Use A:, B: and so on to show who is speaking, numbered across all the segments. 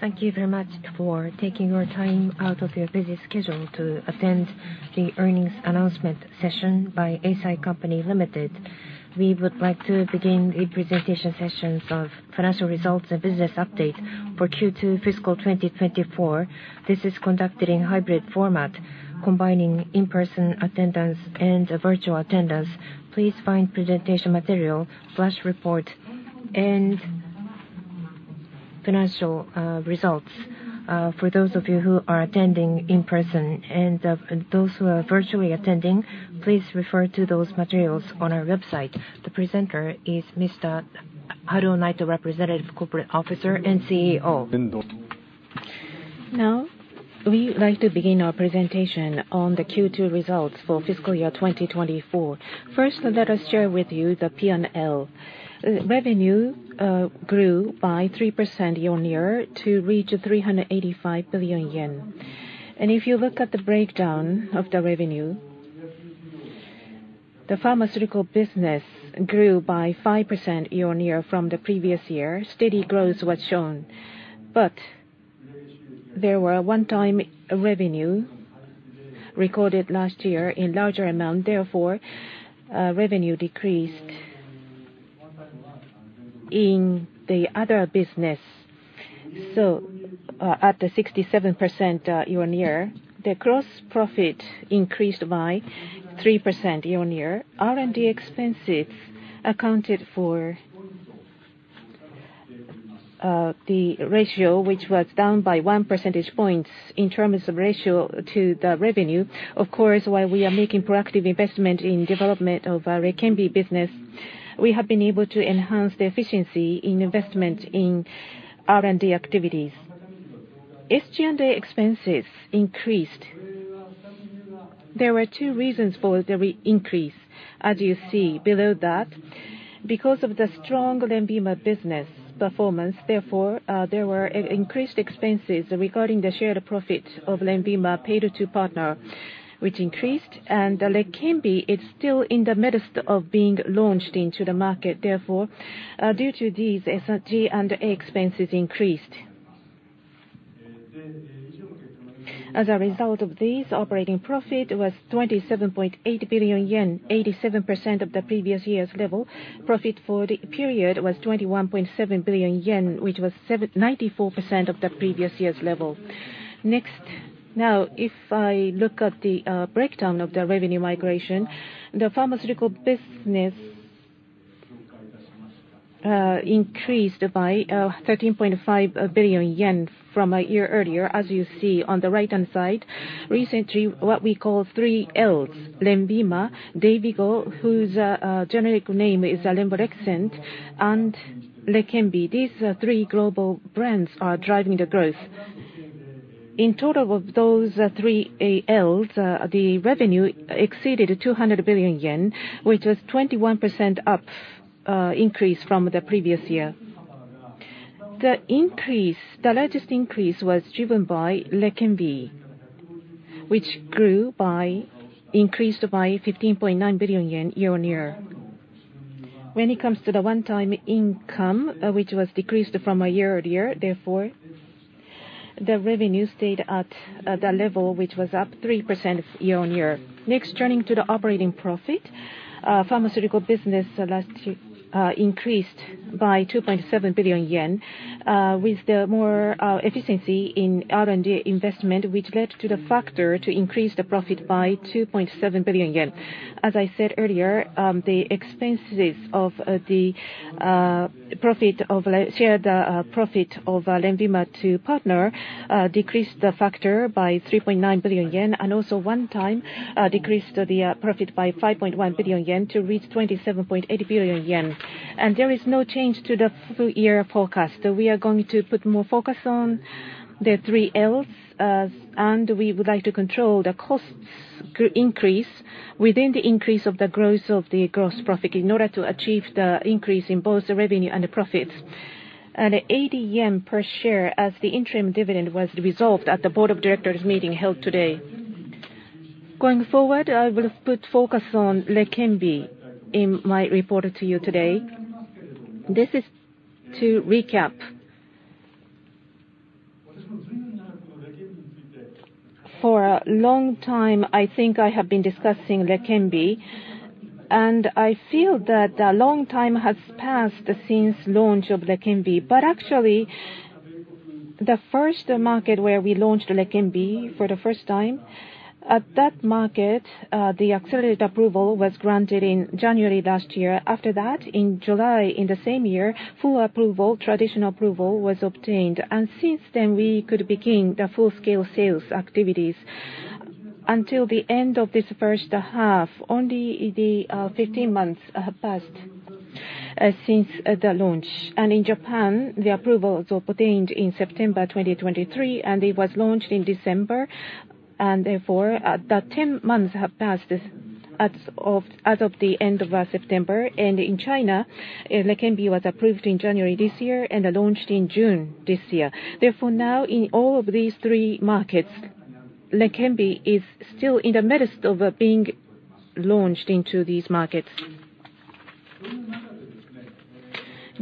A: Thank you very much for taking your time out of your busy schedule to attend the earnings announcement session by Eisai Company Limited. We would like to begin the presentation sessions of financial results and business update for Q2 fiscal 2024. This is conducted in hybrid format, combining in-person attendance and virtual attendance. Please find presentation material, flash report, and financial results for those of you who are attending in person, and those who are virtually attending, please refer to those materials on our website. The presenter is Mr. Haruo Naito, Representative Corporate Officer and CEO.
B: Now, we like to begin our presentation on the Q2 results for fiscal year 2024. First, let us share with you the P&L. Revenue grew by 3% year on year to reach 385 billion yen, and if you look at the breakdown of the revenue, the pharmaceutical business grew by 5% year on year from the previous year. Steady growth was shown, but there were one-time revenues recorded last year in larger amounts. Therefore, revenue decreased in the other business, so at the 67% year on year, the gross profit increased by 3% year on year. R&D expenses accounted for the ratio, which was down by 1 percentage point in terms of ratio to the revenue. Of course, while we are making proactive investment in the development of ourLeqembi business, we have been able to enhance the efficiency in investment in R&D activities. SG&A expenses increased. There were two reasons for the increase, as you see below that. Because of the strong Lenvima business performance, therefore, there were increased expenses regarding the shared profit of Lenvima paid to partner, which increased, and Leqembi is still in the midst of being launched into the market. Therefore, due to these, SG&A expenses increased. As a result of these, operating profit was 27.8 billion yen, 87% of the previous year's level. Profit for the period was 21.7 billion yen, which was 94% of the previous year's level. Now, if I look at the breakdown of the revenue migration, the pharmaceutical business increased by 13.5 billion yen from a year earlier, as you see on the right-hand side. Recently, what we call three Ls, Lenvima, Dayvigo, whose generic name is Lemborexant, and Leqembi. These three global brands are driving the growth. In total of those three Ls, the revenue exceeded 200 billion yen, which was a 21% increase from the previous year. The largest increase was driven by Leqembi, which increased by 15.9 billion yen year on year. When it comes to the one-time income, which was decreased from a year earlier, therefore, the revenue stayed at the level which was up 3% year on year. Next, turning to the operating profit, pharmaceutical business last year increased by 2.7 billion yen, with more efficiency in R&D investment, which led to the factor to increase the profit by 2.7 billion yen. As I said earlier, the expenses of the shared profit of Lenvima to partner decreased the factor by 3.9 billion yen, and also one-time decreased the profit by 5.1 billion yen to reach 27.8 billion yen. And there is no change to the full-year forecast. We are going to put more focus on the three Ls, and we would like to control the cost increase within the increase of the growth of the gross profit in order to achieve the increase in both revenue and profits, and JPY 80 per share as the interim dividend was resolved at the board of directors meeting held today. Going forward, I will put focus on Kembe in my report to you today. This is to recap. For a long time, I think I have been discussing Kembe, and I feel that a long time has passed since the launch of Kembe, but actually, the first market where we launched Kembe for the first time, at that market, the accelerated approval was granted in January last year. After that, in July in the same year, full approval, traditional approval was obtained. And since then, we could begin the full-scale sales activities. Until the end of this first half, only 15 months have passed since the launch. And in Japan, the approvals were obtained in September 2023, and it was launched in December. And therefore, 10 months have passed as of the end of September. And in China, Leqembi was approved in January this year and launched in June this year. Therefore, now, in all of these three markets, Leqembi is still in the midst of being launched into these markets.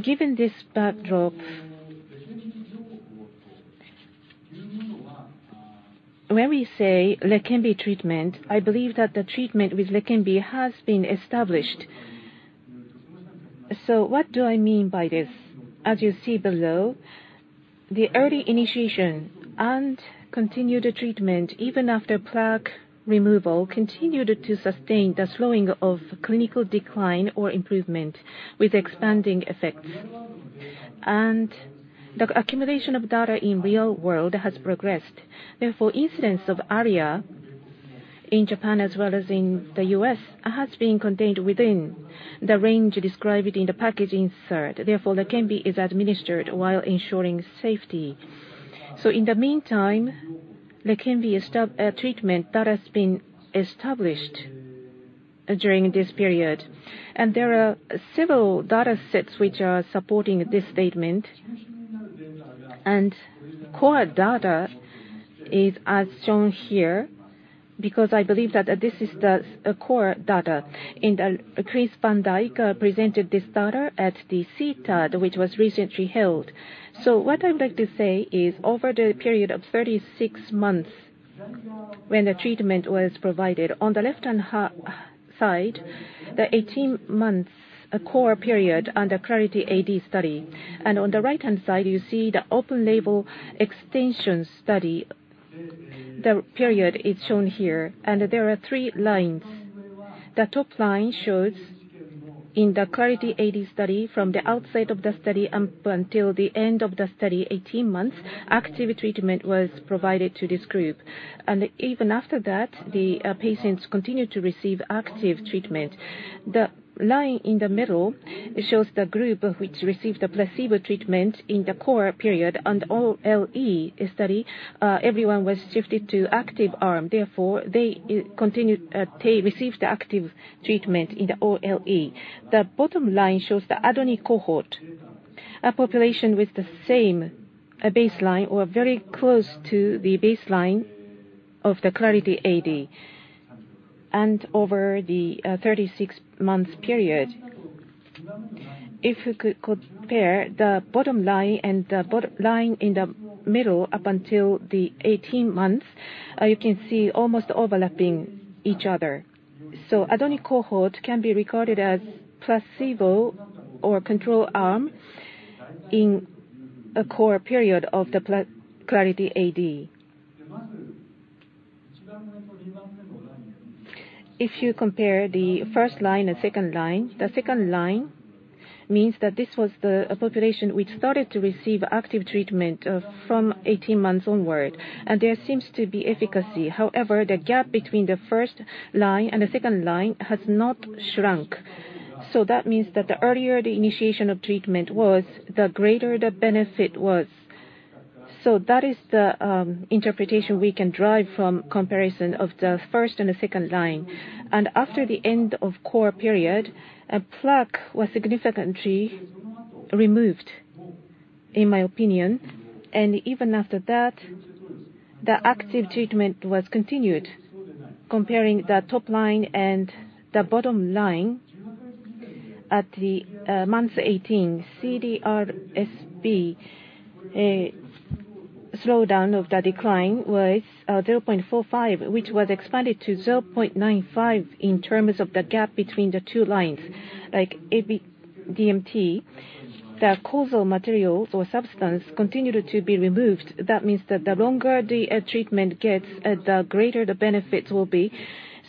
B: Given this backdrop, when we say Leqembi treatment, I believe that the treatment with Leqembi has been established. So what do I mean by this? As you see below, the early initiation and continued treatment, even after plaque removal, continued to sustain the slowing of clinical decline or improvement with expanding effects. And the accumulation of data in the real world has progressed. Therefore, incidences of ARIA in Japan as well as in the US have been contained within the range described in the package insert. Therefore, Leqembi is administered while ensuring safety. So in the meantime, Leqembi is a treatment that has been established during this period. And there are several data sets which are supporting this statement. And core data is as shown here because I believe that this is the core data. And Christopher van Dyck presented this data at the CTAD, which was recently held. So what I'd like to say is, over the period of 36 months when the treatment was provided, on the left-hand side, the 18-month core period under Clarity AD study. And on the right-hand side, you see the open label extension study. The period is shown here. And there are three lines. The top line shows in the Clarity AD study from the outset of the study up until the end of the study, 18 months, active treatment was provided to this group, and even after that, the patients continued to receive active treatment. The line in the middle shows the group which received the placebo treatment in the core period, and in the OLE study, everyone was shifted to active arm. Therefore, they received active treatment in the OLE. The bottom line shows the ADNI cohort, a population with the same baseline or very close to the baseline of the Clarity AD and over the 36-month period. If we compare the bottom line and the line in the middle up until the 18 months, you can see almost overlapping each other, so ADNI cohort can be recorded as placebo or control arm in a core period of the Clarity AD. If you compare the first line and second line, the second line means that this was the population which started to receive active treatment from 18 months onward. And there seems to be efficacy. However, the gap between the first line and the second line has not shrunk. So that means that the earlier the initiation of treatment was, the greater the benefit was. So that is the interpretation we can derive from comparison of the first and the second line. And after the end of core period, plaque was significantly removed, in my opinion. And even after that, the active treatment was continued. Comparing the top line and the bottom line at month 18, CDR-SB slowdown of the decline was 0.45, which was expanded to 0.95 in terms of the gap between the two lines. Like DMT, the causal material or substance continued to be removed. That means that the longer the treatment gets, the greater the benefits will be.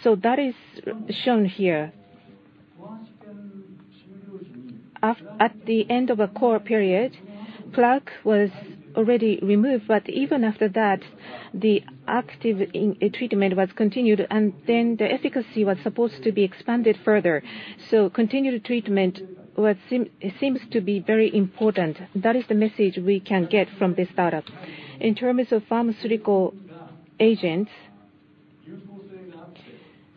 B: So that is shown here. At the end of a core period, plaque was already removed. But even after that, the active treatment was continued. And then the efficacy was supposed to be expanded further. So continued treatment seems to be very important. That is the message we can get from this data. In terms of pharmaceutical agents,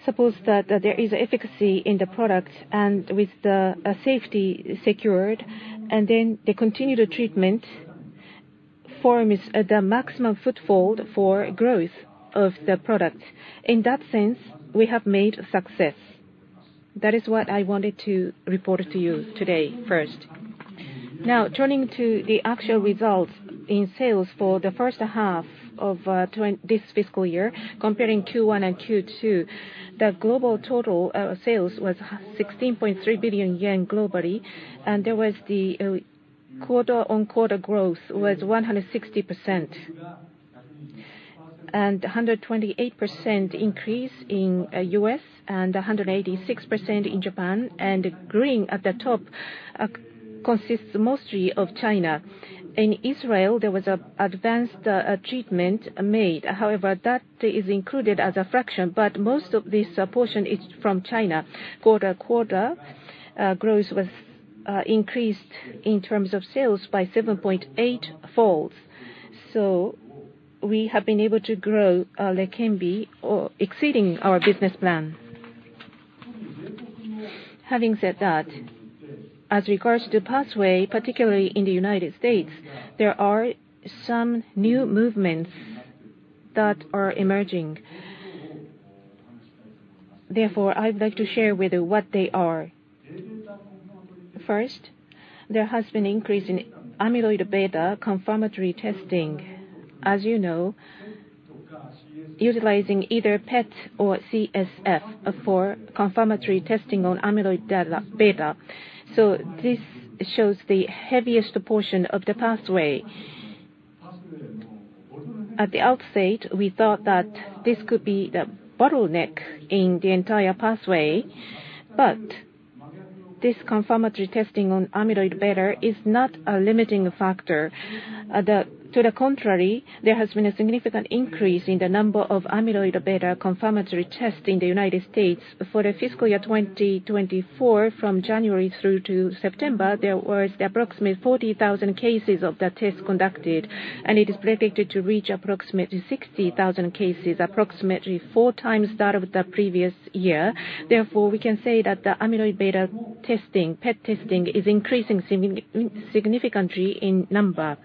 B: suppose that there is efficacy in the product and with the safety secured, and then the continued treatment forms the maximum footfall for growth of the product. In that sense, we have made success. That is what I wanted to report to you today first. Now, turning to the actual results in sales for the first half of this fiscal year, comparing Q1 and Q2, the global total sales was 16.3 billion yen globally. The quarter-on-quarter growth was 160%, with a 128% increase in the U.S. and 186% in Japan. The green at the top consists mostly of China. In Israel, there was an advanced treatment made. However, that is included as a fraction. But most of this portion is from China. The quarter-on-quarter growth increased in terms of sales by 7.8-fold. We have been able to grow Leqembi exceeding our business plan. Having said that, as regards the pathway, particularly in the United States, there are some new movements that are emerging. Therefore, I'd like to share with you what they are. First, there has been an increase in amyloid beta confirmatory testing, as you know, utilizing either PET or CSF for confirmatory testing on amyloid beta. This shows the heaviest portion of the pathway. At the outset, we thought that this could be the bottleneck in the entire pathway. But this confirmatory testing on amyloid beta is not a limiting factor. To the contrary, there has been a significant increase in the number of amyloid beta confirmatory tests in the United States. For the fiscal year 2024, from January through to September, there were approximately 40,000 cases of the test conducted. And it is predicted to reach approximately 60,000 cases, approximately four times that of the previous year. Therefore, we can say that the amyloid beta testing, PET testing, is increasing significantly in number.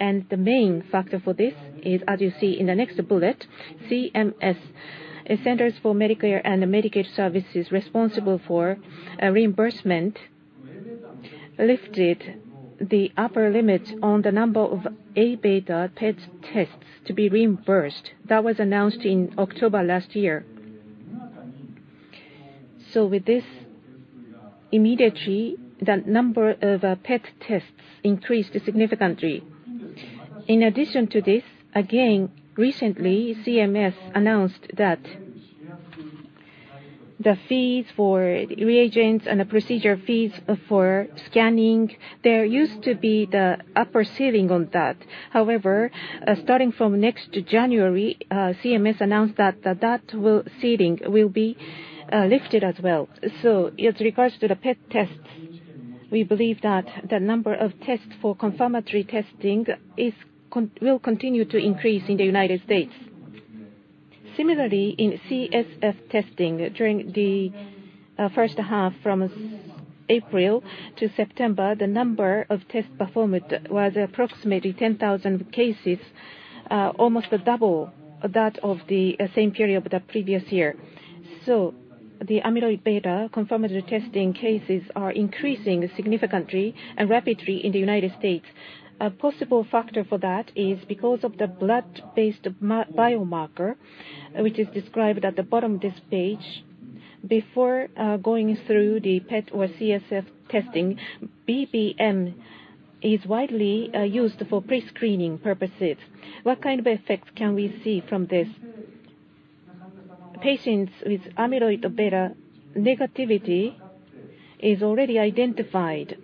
B: And the main factor for this is, as you see in the next bullet, CMS, Centers for Medicare and Medicaid Services, responsible for reimbursement, lifted the upper limit on the number of A beta PET tests to be reimbursed. That was announced in October last year. So with this, immediately, the number of PET tests increased significantly. In addition to this, again, recently, CMS announced that the fees for reagents and the procedure fees for scanning, there used to be the upper ceiling on that. However, starting from next January, CMS announced that that ceiling will be lifted as well. So as regards to the PET tests, we believe that the number of tests for confirmatory testing will continue to increase in the United States. Similarly, in CSF testing, during the first half from April to September, the number of tests performed was approximately 10,000 cases, almost double that of the same period of the previous year. So the amyloid beta confirmatory testing cases are increasing significantly and rapidly in the United States. A possible factor for that is because of the blood-based biomarker, which is described at the bottom of this page. Before going through the PET or CSF testing, BBM is widely used for pre-screening purposes. What kind of effects can we see from this? Patients with amyloid beta negativity are already identified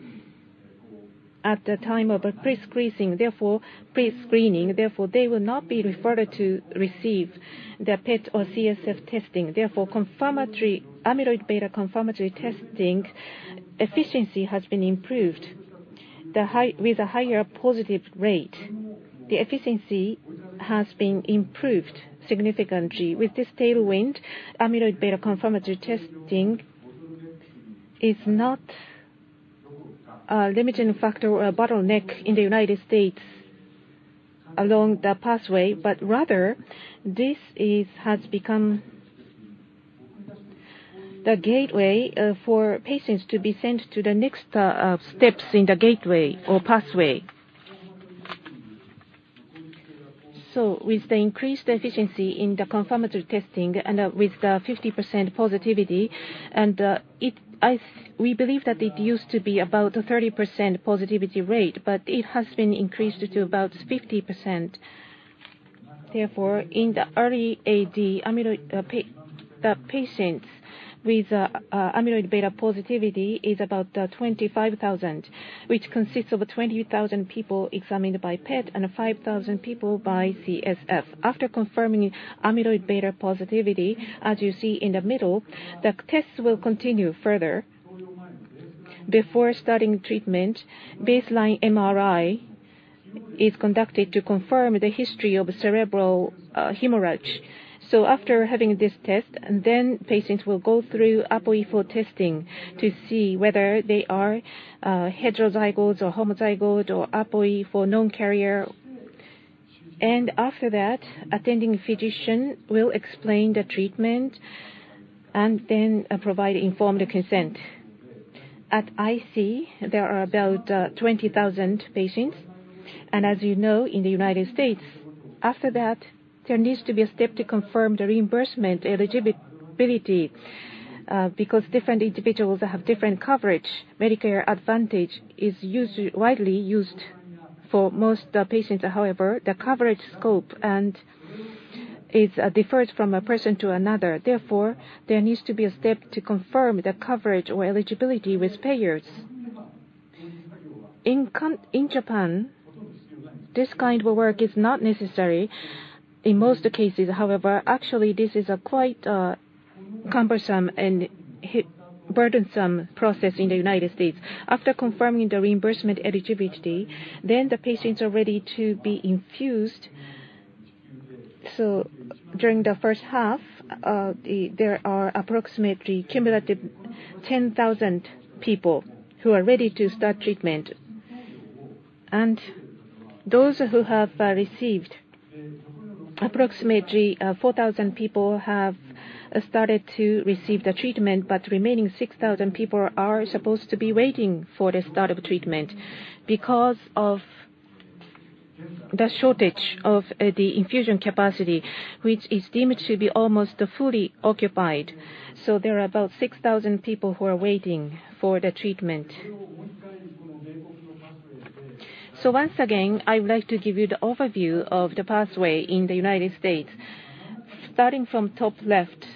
B: at the time of pre-screening. Therefore, they will not be referred to receive the PET or CSF testing. Therefore, amyloid beta confirmatory testing efficiency has been improved with a higher positive rate. The efficiency has been improved significantly. With this tailwind, amyloid beta confirmatory testing is not a limiting factor or a bottleneck in the United States along the pathway, but rather, this has become the gateway for patients to be sent to the next steps in the gateway or pathway. So with the increased efficiency in the confirmatory testing and with the 50% positivity, and we believe that it used to be about a 30% positivity rate, but it has been increased to about 50%. Therefore, in the early AD, the patients with amyloid beta positivity are about 25,000, which consists of 20,000 people examined by PET and 5,000 people by CSF. After confirming amyloid beta positivity, as you see in the middle, the tests will continue further. Before starting treatment, baseline MRI is conducted to confirm the history of cerebral hemorrhage, so after having this test, then patients will go through ApoE4 testing to see whether they are heterozygous or homozygous or ApoE4 non-carrier. After that, attending physician will explain the treatment and then provide informed consent. At IC, there are about 20,000 patients. As you know, in the United States, after that, there needs to be a step to confirm the reimbursement eligibility because different individuals have different coverage. Medicare Advantage is widely used for most patients. However, the coverage scope differs from a person to another. Therefore, there needs to be a step to confirm the coverage or eligibility with payers. In Japan, this kind of work is not necessary in most cases. However, actually, this is a quite cumbersome and burdensome process in the United States. After confirming the reimbursement eligibility, then the patients are ready to be infused, so during the first half, there are approximately cumulative 10,000 people who are ready to start treatment, and those who have received approximately 4,000 people have started to receive the treatment, but remaining 6,000 people are supposed to be waiting for the start of treatment because of the shortage of the infusion capacity, which is deemed to be almost fully occupied, so there are about 6,000 people who are waiting for the treatment, so once again, I would like to give you the overview of the pathway in the United States. Starting from top left,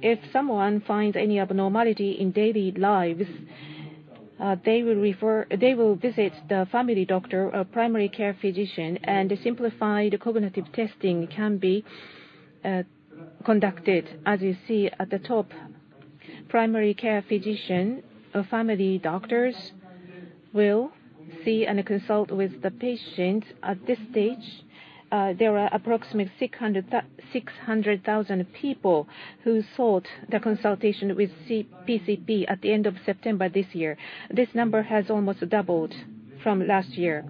B: if someone finds any abnormality in daily lives, they will visit the family doctor or primary care physician, and simplified cognitive testing can be conducted, as you see at the top. Primary care physician or family doctors will see and consult with the patient. At this stage, there are approximately 600,000 people who sought the consultation with PCP at the end of September this year. This number has almost doubled from last year,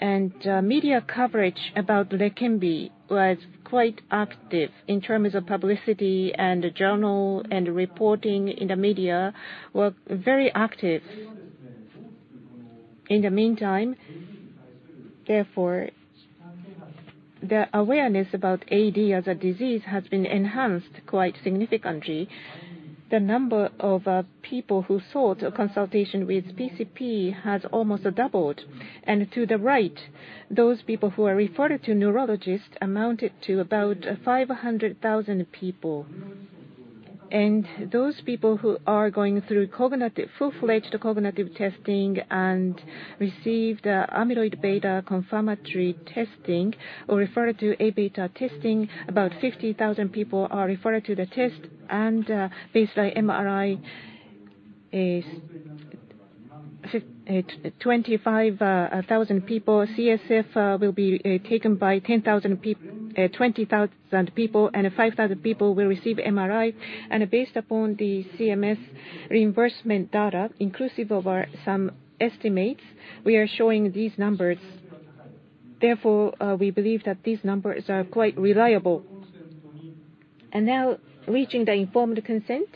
B: and media coverage about Leqembi was quite active in terms of publicity and journal and reporting in the media were very active. In the meantime, therefore, the awareness about AD as a disease has been enhanced quite significantly. The number of people who sought consultation with PCP has almost doubled, and to the right, those people who are referred to neurologists amounted to about 500,000 people. Those people who are going through full-fledged cognitive testing and receive the amyloid beta confirmatory testing or referred to A beta testing, about 50,000 people are referred to the test. Baseline MRI is 25,000 people. CSF will be taken by 10,000 people, and 5,000 people will receive MRI. Based upon the CMS reimbursement data, inclusive of some estimates, we are showing these numbers. Therefore, we believe that these numbers are quite reliable. Now, reaching the informed consent,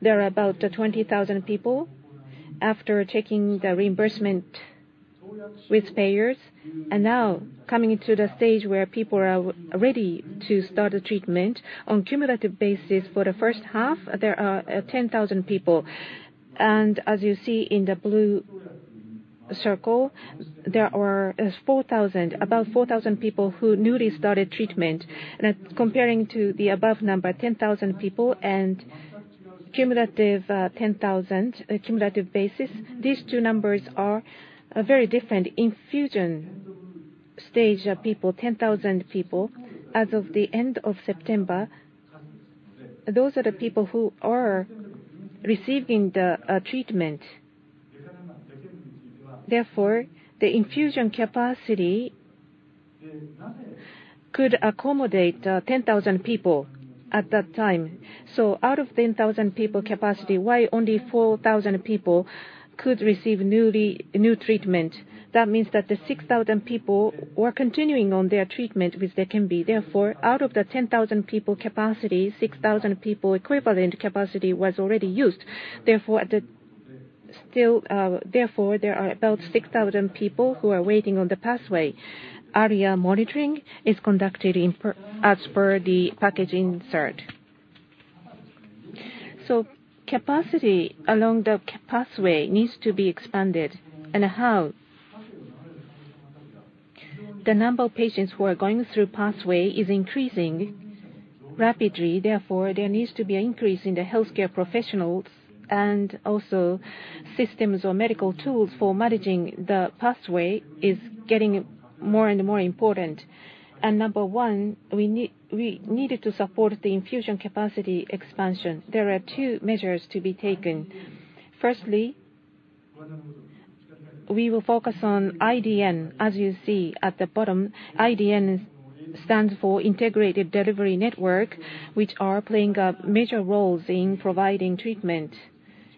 B: there are about 20,000 people after taking the reimbursement with payers. Now, coming to the stage where people are ready to start the treatment. On cumulative basis, for the first half, there are 10,000 people. As you see in the blue circle, there are about 4,000 people who newly started treatment. Comparing to the above number, 10,000 people and cumulative 10,000, cumulative basis, these two numbers are very different. Infusion stage people, 10,000 people, as of the end of September, those are the people who are receiving the treatment. Therefore, the infusion capacity could accommodate 10,000 people at that time. So out of 10,000 people capacity, why only 4,000 people could receive new treatment? That means that the 6,000 people were continuing on their treatment with Leqembi. Therefore, out of the 10,000 people capacity, 6,000 people equivalent capacity was already used. Therefore, there are about 6,000 people who are waiting on the pathway. ARIA monitoring is conducted as per the package insert. So capacity along the pathway needs to be expanded. How? The number of patients who are going through pathway is increasing rapidly. Therefore, there needs to be an increase in the healthcare professionals and also systems or medical tools for managing the pathway is getting more and more important. Number one, we needed to support the infusion capacity expansion. There are two measures to be taken. Firstly, we will focus on IDN, as you see at the bottom. IDN stands for Integrated Delivery Network, which are playing major roles in providing treatment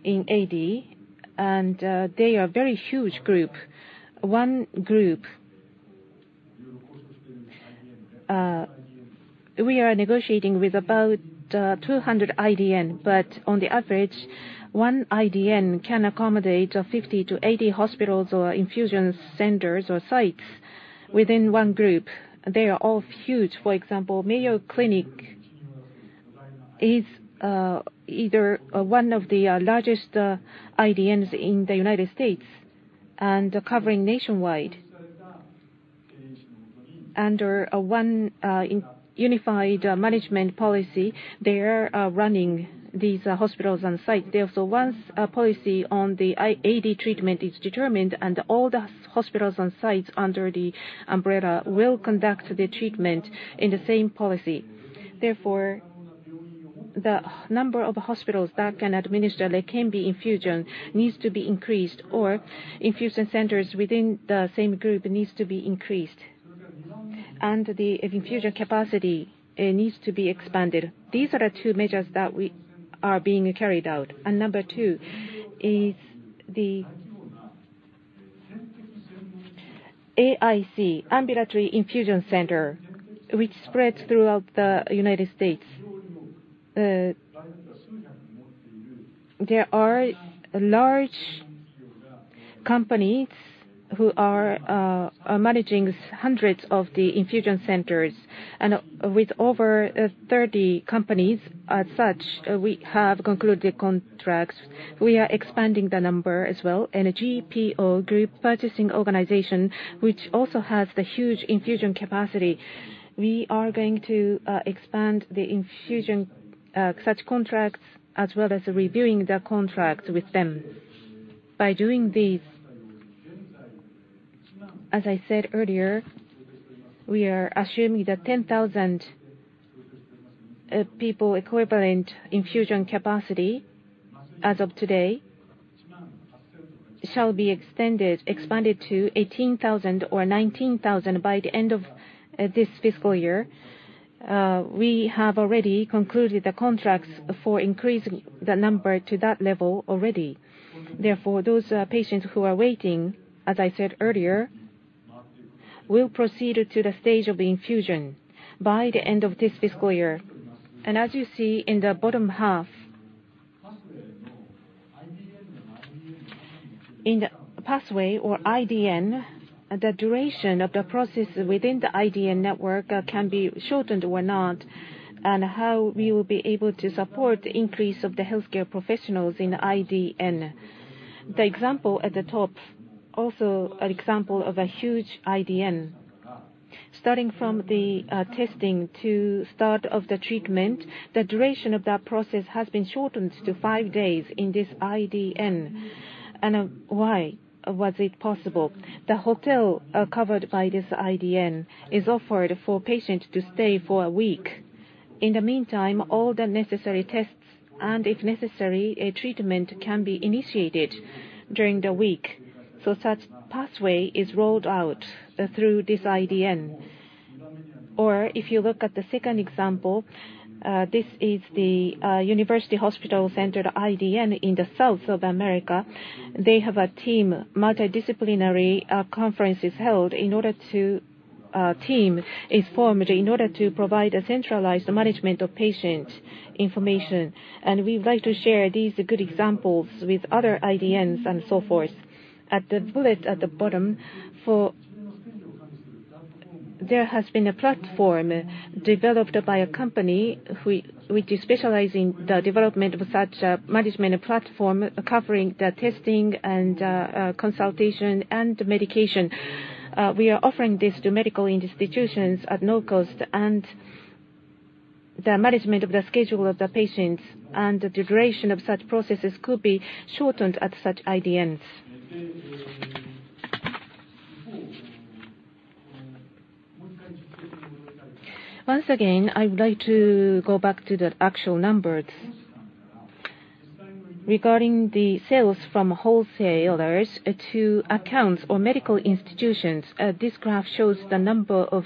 B: in AD. They are a very huge group. One group, we are negotiating with about 200 IDN, but on the average, one IDN can accommodate 50 to 80 hospitals or infusion centers or sites within one group. They are all huge. For example, Mayo Clinic is either one of the largest IDNs in the United States and covering nationwide. Under one unified management policy, they are running these hospitals and sites. Therefore, once a policy on the AD treatment is determined, all the hospitals and sites under the umbrella will conduct the treatment in the same policy. Therefore, the number of hospitals that can administer Leqembi infusion needs to be increased, or infusion centers within the same group needs to be increased, and the infusion capacity needs to be expanded. These are the two measures that are being carried out, and number two is the AAIC, Ambulatory Infusion Center, which spreads throughout the United States. There are large companies who are managing hundreds of the infusion centers, and with over 30 companies as such, we have concluded contracts. We are expanding the number as well, and GPO, Group Purchasing Organization, which also has the huge infusion capacity, we are going to expand such infusion contracts as well as reviewing the contract with them. By doing this, as I said earlier, we are assuming that 10,000 people equivalent infusion capacity as of today shall be expanded to 18,000 or 19,000 by the end of this fiscal year. We have already concluded the contracts for increasing the number to that level already. Therefore, those patients who are waiting, as I said earlier, will proceed to the stage of infusion by the end of this fiscal year. And as you see in the bottom half, in the pathway or IDN, the duration of the process within the IDN network can be shortened or not, and how we will be able to support the increase of the healthcare professionals in IDN. The example at the top is also an example of a huge IDN. Starting from the testing to start of the treatment, the duration of that process has been shortened to five days in this IDN. Why was it possible? The hotel covered by this IDN is offered for patients to stay for a week. In the meantime, all the necessary tests and, if necessary, treatment can be initiated during the week. So such pathway is rolled out through this IDN. Or if you look at the second example, this is the University Hospital Center IDN in the south of America. They have a team, multidisciplinary conferences held in order to a team is formed in order to provide a centralized management of patient information. And we'd like to share these good examples with other IDNs and so forth. At the bullet at the bottom, there has been a platform developed by a company which specializes in the development of such a management platform covering the testing and consultation and medication. We are offering this to medical institutions at no cost, and the management of the schedule of the patients and the duration of such processes could be shortened at such IDNs. Once again, I would like to go back to the actual numbers. Regarding the sales from wholesalers to accounts or medical institutions, this graph shows the number of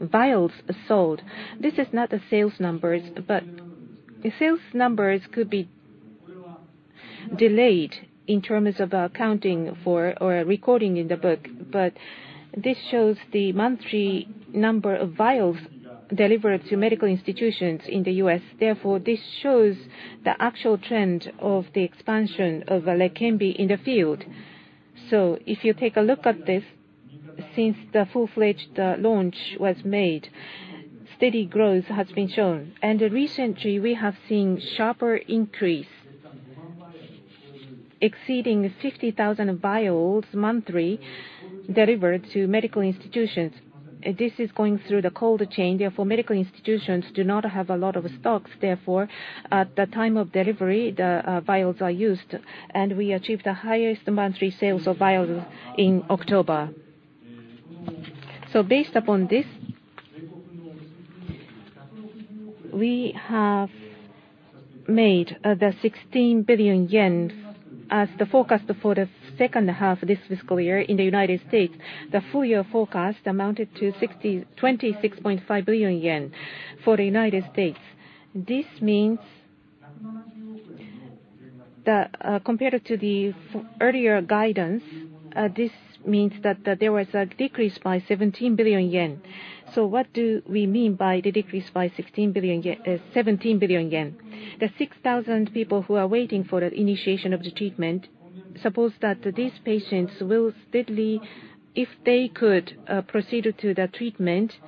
B: vials sold. This is not the sales numbers, but the sales numbers could be delayed in terms of accounting for or recording in the book, but this shows the monthly number of vials delivered to medical institutions in the U.S. Therefore, this shows the actual trend of the expansion of Leqembi in the field, so if you take a look at this, since the full-fledged launch was made, steady growth has been shown, and recently, we have seen a sharper increase, exceeding 50,000 vials monthly delivered to medical institutions. This is going through the cold chain. Therefore, medical institutions do not have a lot of stocks. Therefore, at the time of delivery, the vials are used, and we achieved the highest monthly sales of vials in October. So based upon this, we have made the 16 billion yen as the forecast for the second half of this fiscal year in the United States. The full year forecast amounted to 26.5 billion yen for the United States. This means that compared to the earlier guidance, this means that there was a decrease by 17 billion yen. So what do we mean by the decrease by 17 billion yen? The 6,000 people who are waiting for the initiation of the treatment, suppose that these patients will steadily, if they could, proceed to the treatment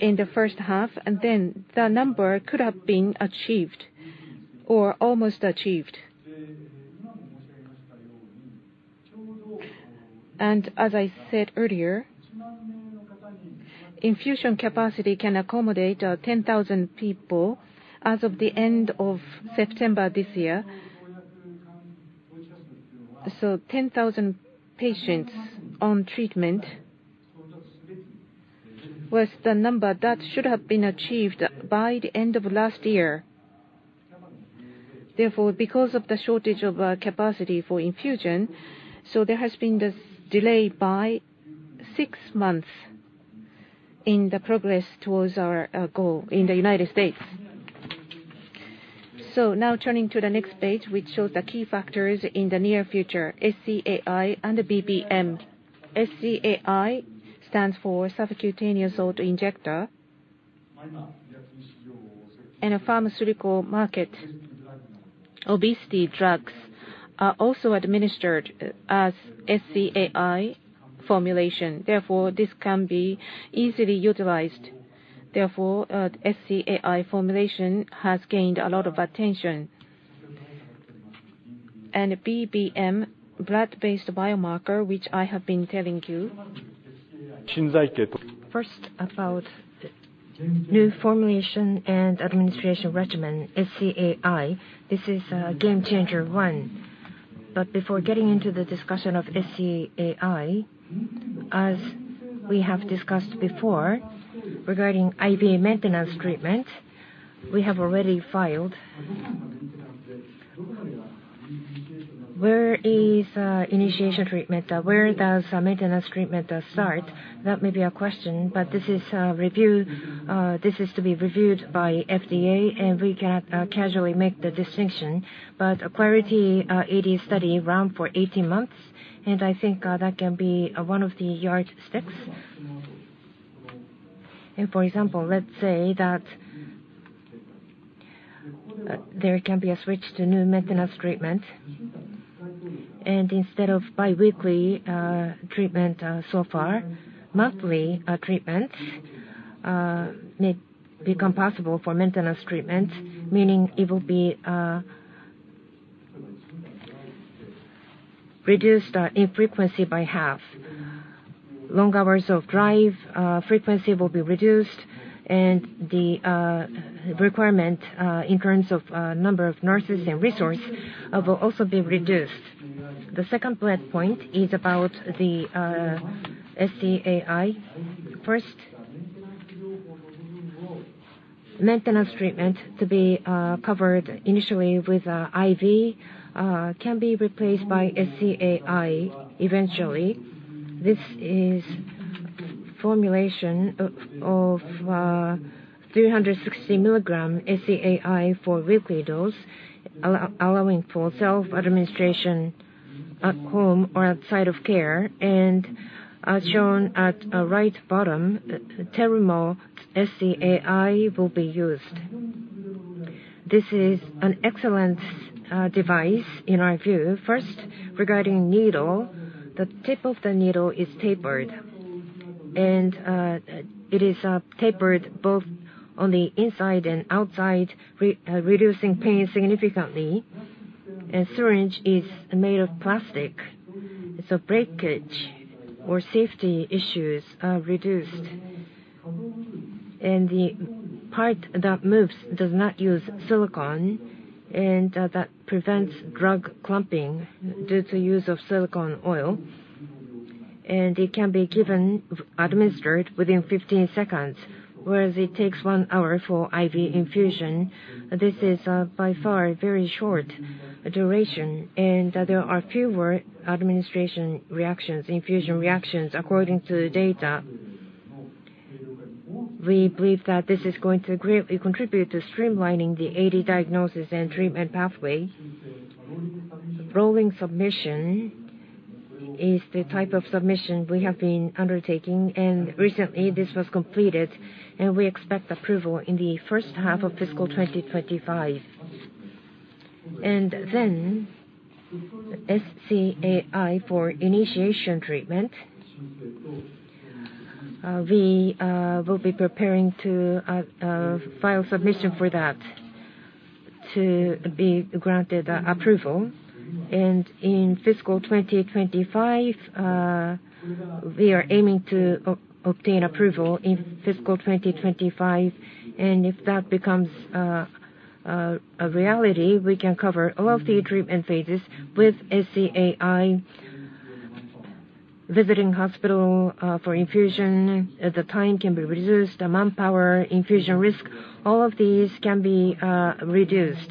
B: in the first half, and then the number could have been achieved or almost achieved. As I said earlier, infusion capacity can accommodate 10,000 people as of the end of September this year. 10,000 patients on treatment was the number that should have been achieved by the end of last year. Therefore, because of the shortage of capacity for infusion, there has been this delay by six months in the progress towards our goal in the United States. Now, turning to the next page, which shows the key factors in the near future, SC AI and BBM. SC AI stands for Subcutaneous Autoinjector. In a pharmaceutical market, obesity drugs are also administered as SC AI formulation. Therefore, this can be easily utilized. Therefore, SC AI formulation has gained a lot of attention. BBM, blood-based biomarker, which I have been telling you. First, about new formulation and administration regimen, SC AI, this is a game changer one. But before getting into the discussion of SCAI, as we have discussed before regarding IV maintenance treatment, we have already filed. Where is initiation treatment? Where does maintenance treatment start? That may be a question, but this is to be reviewed by FDA, and we cannot casually make the distinction, but a Clarity study run for 18 months, and I think that can be one of the yardsticks, and for example, let's say that there can be a switch to new maintenance treatment, and instead of biweekly treatment so far, monthly treatments may become possible for maintenance treatment, meaning it will be reduced in frequency by half. Long hours of drive, frequency will be reduced, and the requirement in terms of number of nurses and resources will also be reduced. The second bullet point is about the SCAI. First, maintenance treatment to be covered initially with IV can be replaced by SCAI eventually. This is formulation of 360 milligram SCAI for weekly dose, allowing for self-administration at home or outside of care. And as shown at the right bottom, Terumo SCAI will be used. This is an excellent device in our view. First, regarding needle, the tip of the needle is tapered, and it is tapered both on the inside and outside, reducing pain significantly. And syringe is made of plastic, so breakage or safety issues are reduced. And the part that moves does not use silicone, and that prevents drug clumping due to use of silicone oil. And it can be given, administered within 15 seconds, whereas it takes one hour for IV infusion. This is by far a very short duration, and there are fewer administration reactions, infusion reactions, according to the data. We believe that this is going to greatly contribute to streamlining the AD diagnosis and treatment pathway. Rolling submission is the type of submission we have been undertaking, and recently this was completed, and we expect approval in the first half of fiscal 2025. And then SCAI for initiation treatment, we will be preparing to file submission for that to be granted approval. And in fiscal 2025, we are aiming to obtain approval in fiscal 2025. And if that becomes a reality, we can cover all of the treatment phases with SCAI, visiting hospital for infusion. The time can be reduced, the manpower, infusion risk, all of these can be reduced.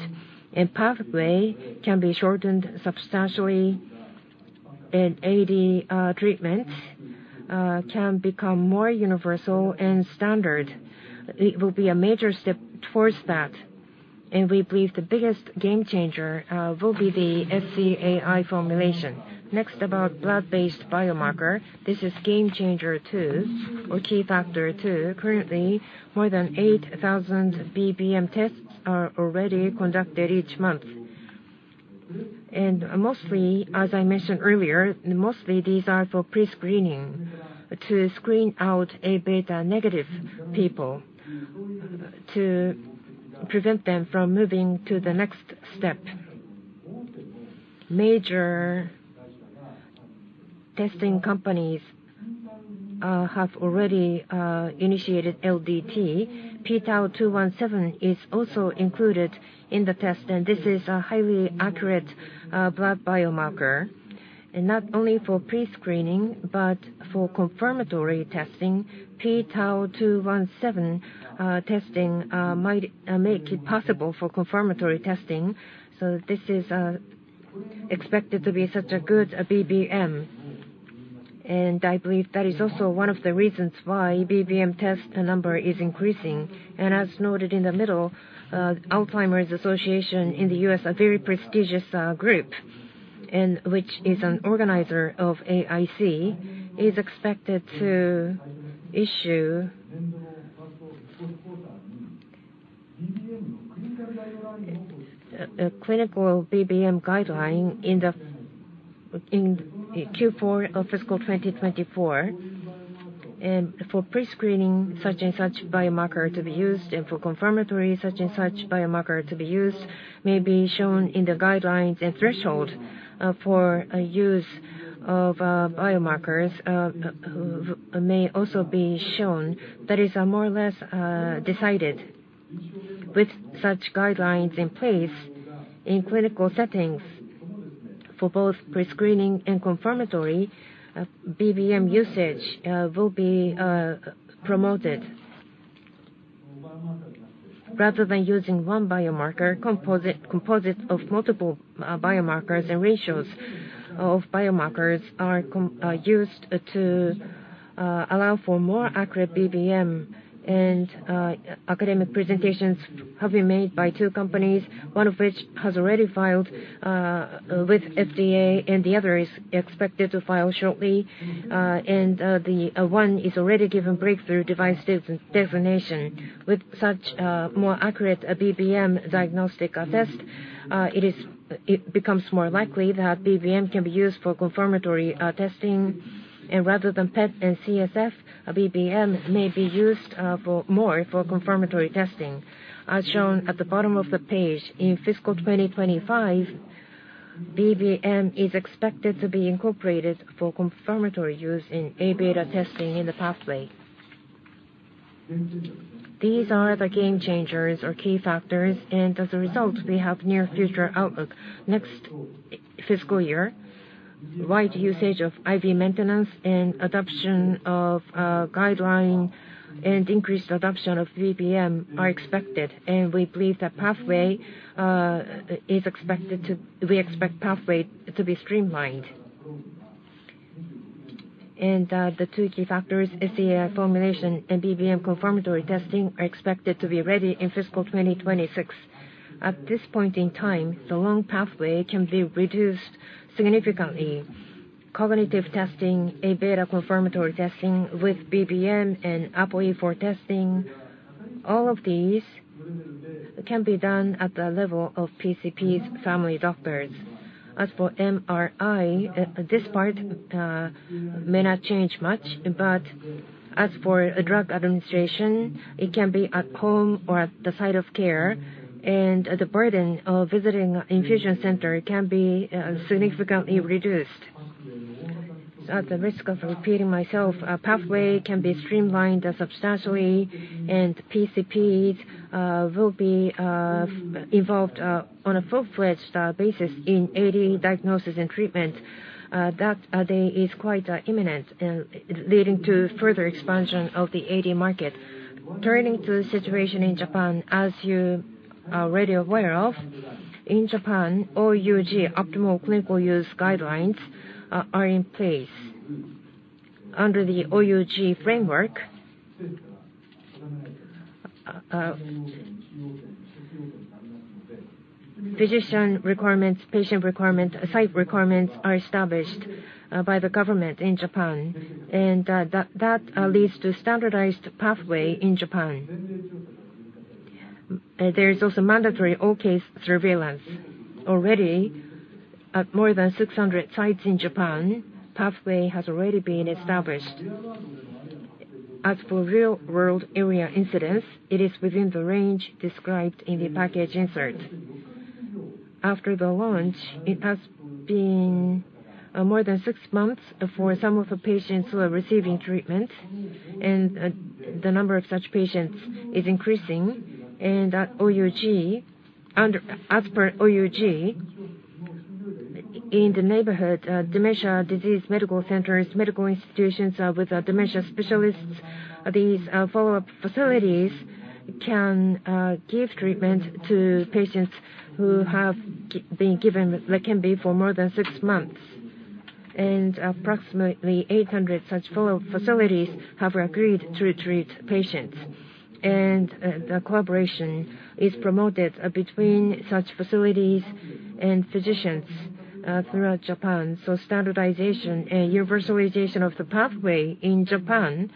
B: And pathway can be shortened substantially, and AD treatments can become more universal and standard. It will be a major step towards that. And we believe the biggest game changer will be the SCAI formulation. Next, about blood-based biomarker, this is game changer too, or key factor too. Currently, more than 8,000 BBM tests are already conducted each month, and mostly, as I mentioned earlier, mostly these are for pre-screening to screen out A beta negative people, to prevent them from moving to the next step. Major testing companies have already initiated LDT. p-Tau217 is also included in the test, and this is a highly accurate blood biomarker, and not only for pre-screening, but for confirmatory testing, p-Tau217 testing might make it possible for confirmatory testing, so this is expected to be such a good BBM, and I believe that is also one of the reasons why BBM test number is increasing. As noted in the middle, Alzheimer's Association in the U.S., a very prestigious group, which is an organizer of AIC, is expected to issue a clinical BBM guideline in Q4 of fiscal 2024. For pre-screening, such and such biomarker to be used, and for confirmatory, such and such biomarker to be used may be shown in the guidelines, and threshold for use of biomarkers may also be shown. That is more or less decided. With such guidelines in place in clinical settings for both pre-screening and confirmatory, BBM usage will be promoted. Rather than using one biomarker, composite of multiple biomarkers and ratios of biomarkers are used to allow for more accurate BBM. Academic presentations have been made by two companies, one of which has already filed with FDA, and the other is expected to file shortly. The one is already given breakthrough device designation. With such more accurate BBM diagnostic test, it becomes more likely that BBM can be used for confirmatory testing, and rather than PET and CSF, BBM may be used more for confirmatory testing. As shown at the bottom of the page, in fiscal 2025, BBM is expected to be incorporated for confirmatory use in A beta testing in the pathway. These are the game changers or key factors, and as a result, we have near future outlook. Next fiscal year, wide usage of IV maintenance and adoption of guideline and increased adoption of BBM are expected, and we believe that pathway is expected to be streamlined, and the two key factors, SCAI formulation and BBM confirmatory testing, are expected to be ready in fiscal 2026. At this point in time, the long pathway can be reduced significantly. Cognitive testing, A beta confirmatory testing with BBM and ApoE for testing, all of these can be done at the level of PCPs, family doctors. As for MRI, this part may not change much, but as for drug administration, it can be at home or at the site of care, and the burden of visiting an infusion center can be significantly reduced. At the risk of repeating myself, a pathway can be streamlined substantially, and PCPs will be involved on a full-fledged basis in AD diagnosis and treatment. That day is quite imminent, leading to further expansion of the AD market. Turning to the situation in Japan, as you are already aware of, in Japan, OUG, optimal clinical use guidelines, are in place. Under the OUG framework, physician requirements, patient requirements, site requirements are established by the government in Japan, and that leads to standardized pathway in Japan. There is also mandatory ARIA surveillance. Already, at more than 600 sites in Japan, pathway has already been established. As for real-world ARIA incidence, it is within the range described in the package insert. After the launch, it has been more than six months for some of the patients who are receiving treatment, and the number of such patients is increasing, and as per OUG, in the neighborhood, dementia disease medical centers, medical institutions with dementia specialists, these follow-up facilities can give treatment to patients who have been given Leqembi for more than six months, and approximately 800 such follow-up facilities have agreed to treat patients, and the collaboration is promoted between such facilities and physicians throughout Japan, so standardization and universalization of the pathway in Japan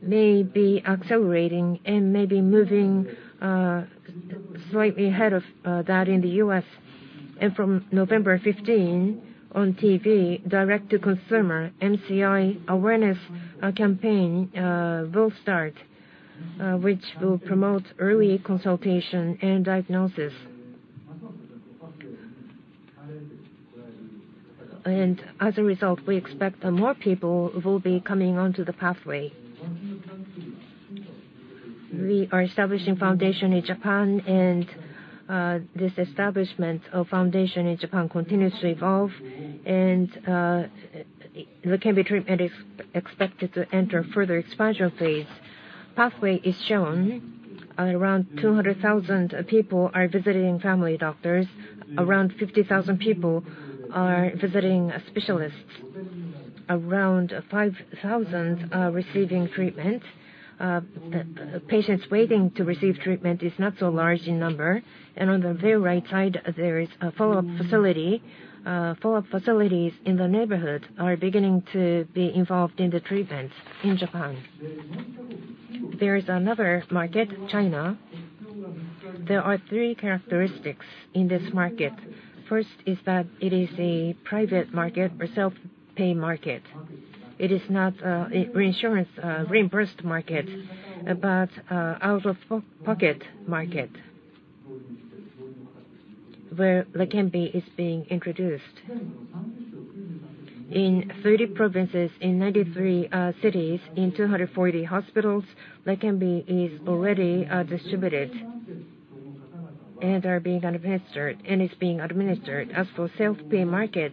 B: may be accelerating and may be moving slightly ahead of that in the U.S. From November 15, on TV, direct-to-consumer MCI awareness campaign will start, which will promote early consultation and diagnosis. As a result, we expect more people will be coming onto the pathway. We are establishing foundation in Japan, and this establishment of foundation in Japan continues to evolve, and Leqembi treatment is expected to enter further expansion phase. Pathway is shown. Around 200,000 people are visiting family doctors. Around 50,000 people are visiting specialists. Around 5,000 are receiving treatment. Patients waiting to receive treatment is not so large in number. On the very right side, there is a follow-up facility. Follow-up facilities in the neighborhood are beginning to be involved in the treatment in Japan. There is another market, China. There are three characteristics in this market. First is that it is a private market or self-pay market. It is not a reimbursement reimbursed market, but out-of-pocket market where Leqembi is being introduced. In 30 provinces, in 93 cities, in 240 hospitals, Leqembi is already distributed and is being administered. As for self-pay market,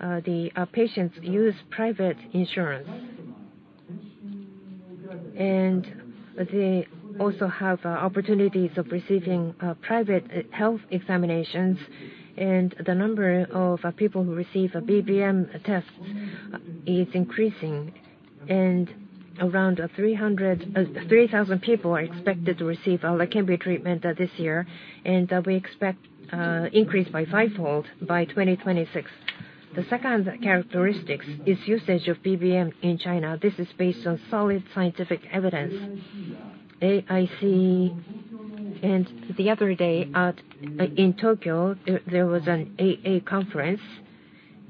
B: the patients use private insurance, and they also have opportunities of receiving private health examinations, and the number of people who receive BBM tests is increasing, and around 3,000 people are expected to receive Leqembi treatment this year, and we expect an increase by fivefold by 2026. The second characteristic is usage of BBM in China. This is based on solid scientific evidence, and the other day in Tokyo, there was an AA conference,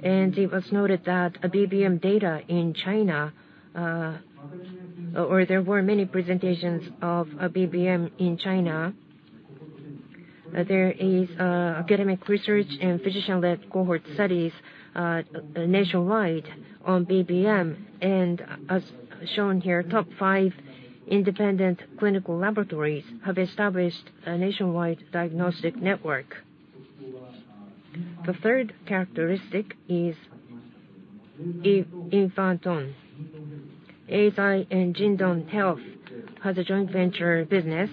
B: and it was noted that BBM data in China, or there were many presentations of BBM in China. There is academic research and physician-led cohort studies nationwide on BBM. As shown here, the top five independent clinical laboratories have established a nationwide diagnostic network. The third characteristic is Yin Fa Tong. Eisai and JD Health has a joint venture business,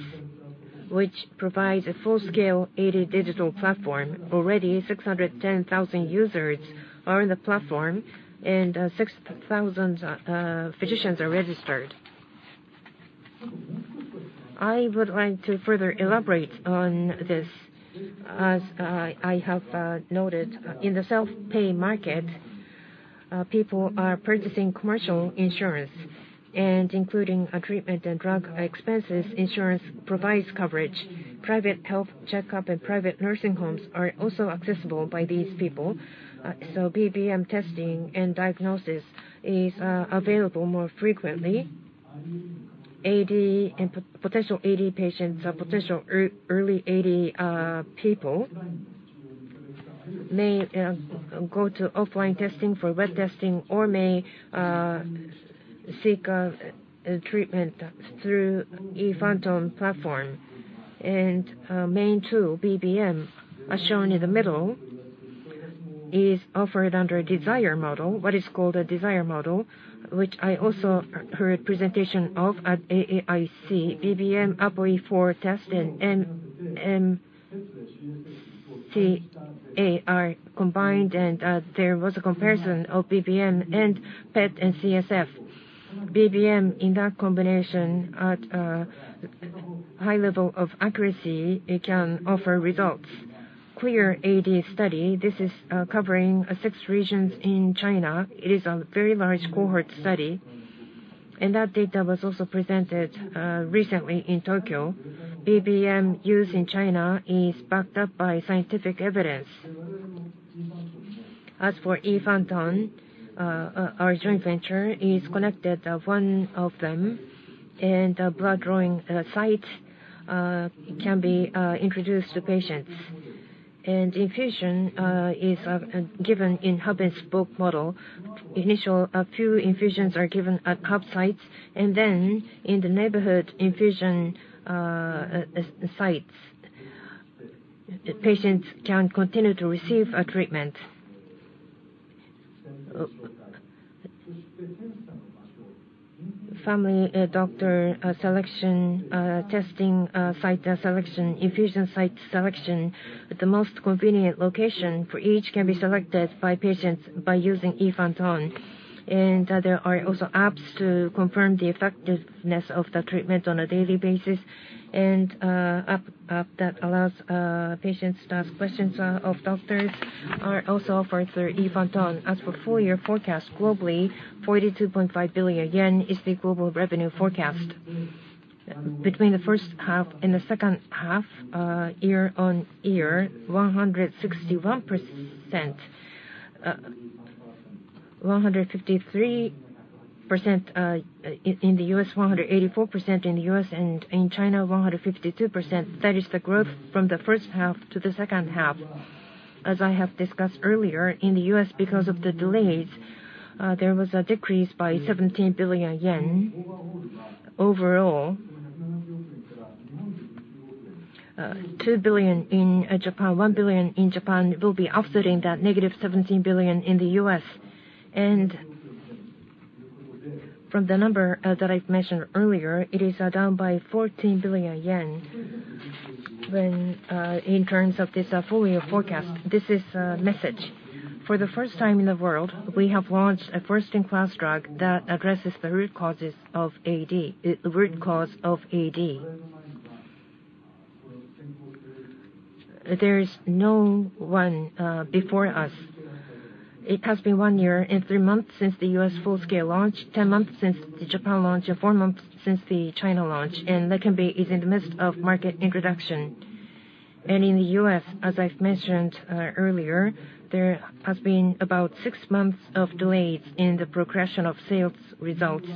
B: which provides a full-scale AD digital platform. Already, 610,000 users are on the platform, and 6,000 physicians are registered. I would like to further elaborate on this. As I have noted, in the self-pay market, people are purchasing commercial insurance, and including treatment and drug expenses, insurance provides coverage. Private health checkup and private nursing homes are also accessible by these people. So BBM testing and diagnosis is available more frequently. AD and potential AD patients, potential early AD people may go to offline testing for wet testing or may seek treatment through Yin Fa Tong platform. Main two BBM, as shown in the middle, is offered under a desire model, what is called a desire model, which I also heard presentation of at AAIC. BBM, ApoE4 test and MTA are combined, and there was a comparison of BBM and PET and CSF. BBM, in that combination, at a high level of accuracy, can offer results. Clarity AD study, this is covering six regions in China. It is a very large cohort study. That data was also presented recently in Tokyo. BBM use in China is backed up by scientific evidence. As for Yin Fa Tong, our joint venture is connected to one of them, and a blood drawing site can be introduced to patients. Infusion is given in hub-and-spoke model. Initially, a few infusions are given at hub sites, and then in the neighborhood infusion sites, patients can continue to receive treatment. Family doctor selection site selection, infusion site selection, the most convenient location for each can be selected by patients by using Yin Fa Tong. And there are also apps to confirm the effectiveness of the treatment on a daily basis, and app that allows patients to ask questions of doctors are also offered through Yin Fa Tong. As for full-year forecast globally, 42.5 billion yen is the global revenue forecast. Between the first half and the second half, year on year, 161%, 153% in the US, 184% in the US, and in China, 152%. That is the growth from the first half to the second half. As I have discussed earlier, in the US, because of the delays, there was a decrease by 17 billion yen overall. 2 billion in Japan, 1 billion in Japan will be offsetting that negative 17 billion in the US. From the number that I've mentioned earlier, it is down by 14 billion yen in terms of this full-year forecast. This is a message. For the first time in the world, we have launched a first-in-class drug that addresses the root causes of AD. There is no one before us. It has been one year and three months since the U.S. full-scale launch, 10 months since the Japan launch, and four months since the China launch. Leqembi is in the midst of market introduction. In the U.S., as I've mentioned earlier, there has been about six months of delays in the progression of sales results.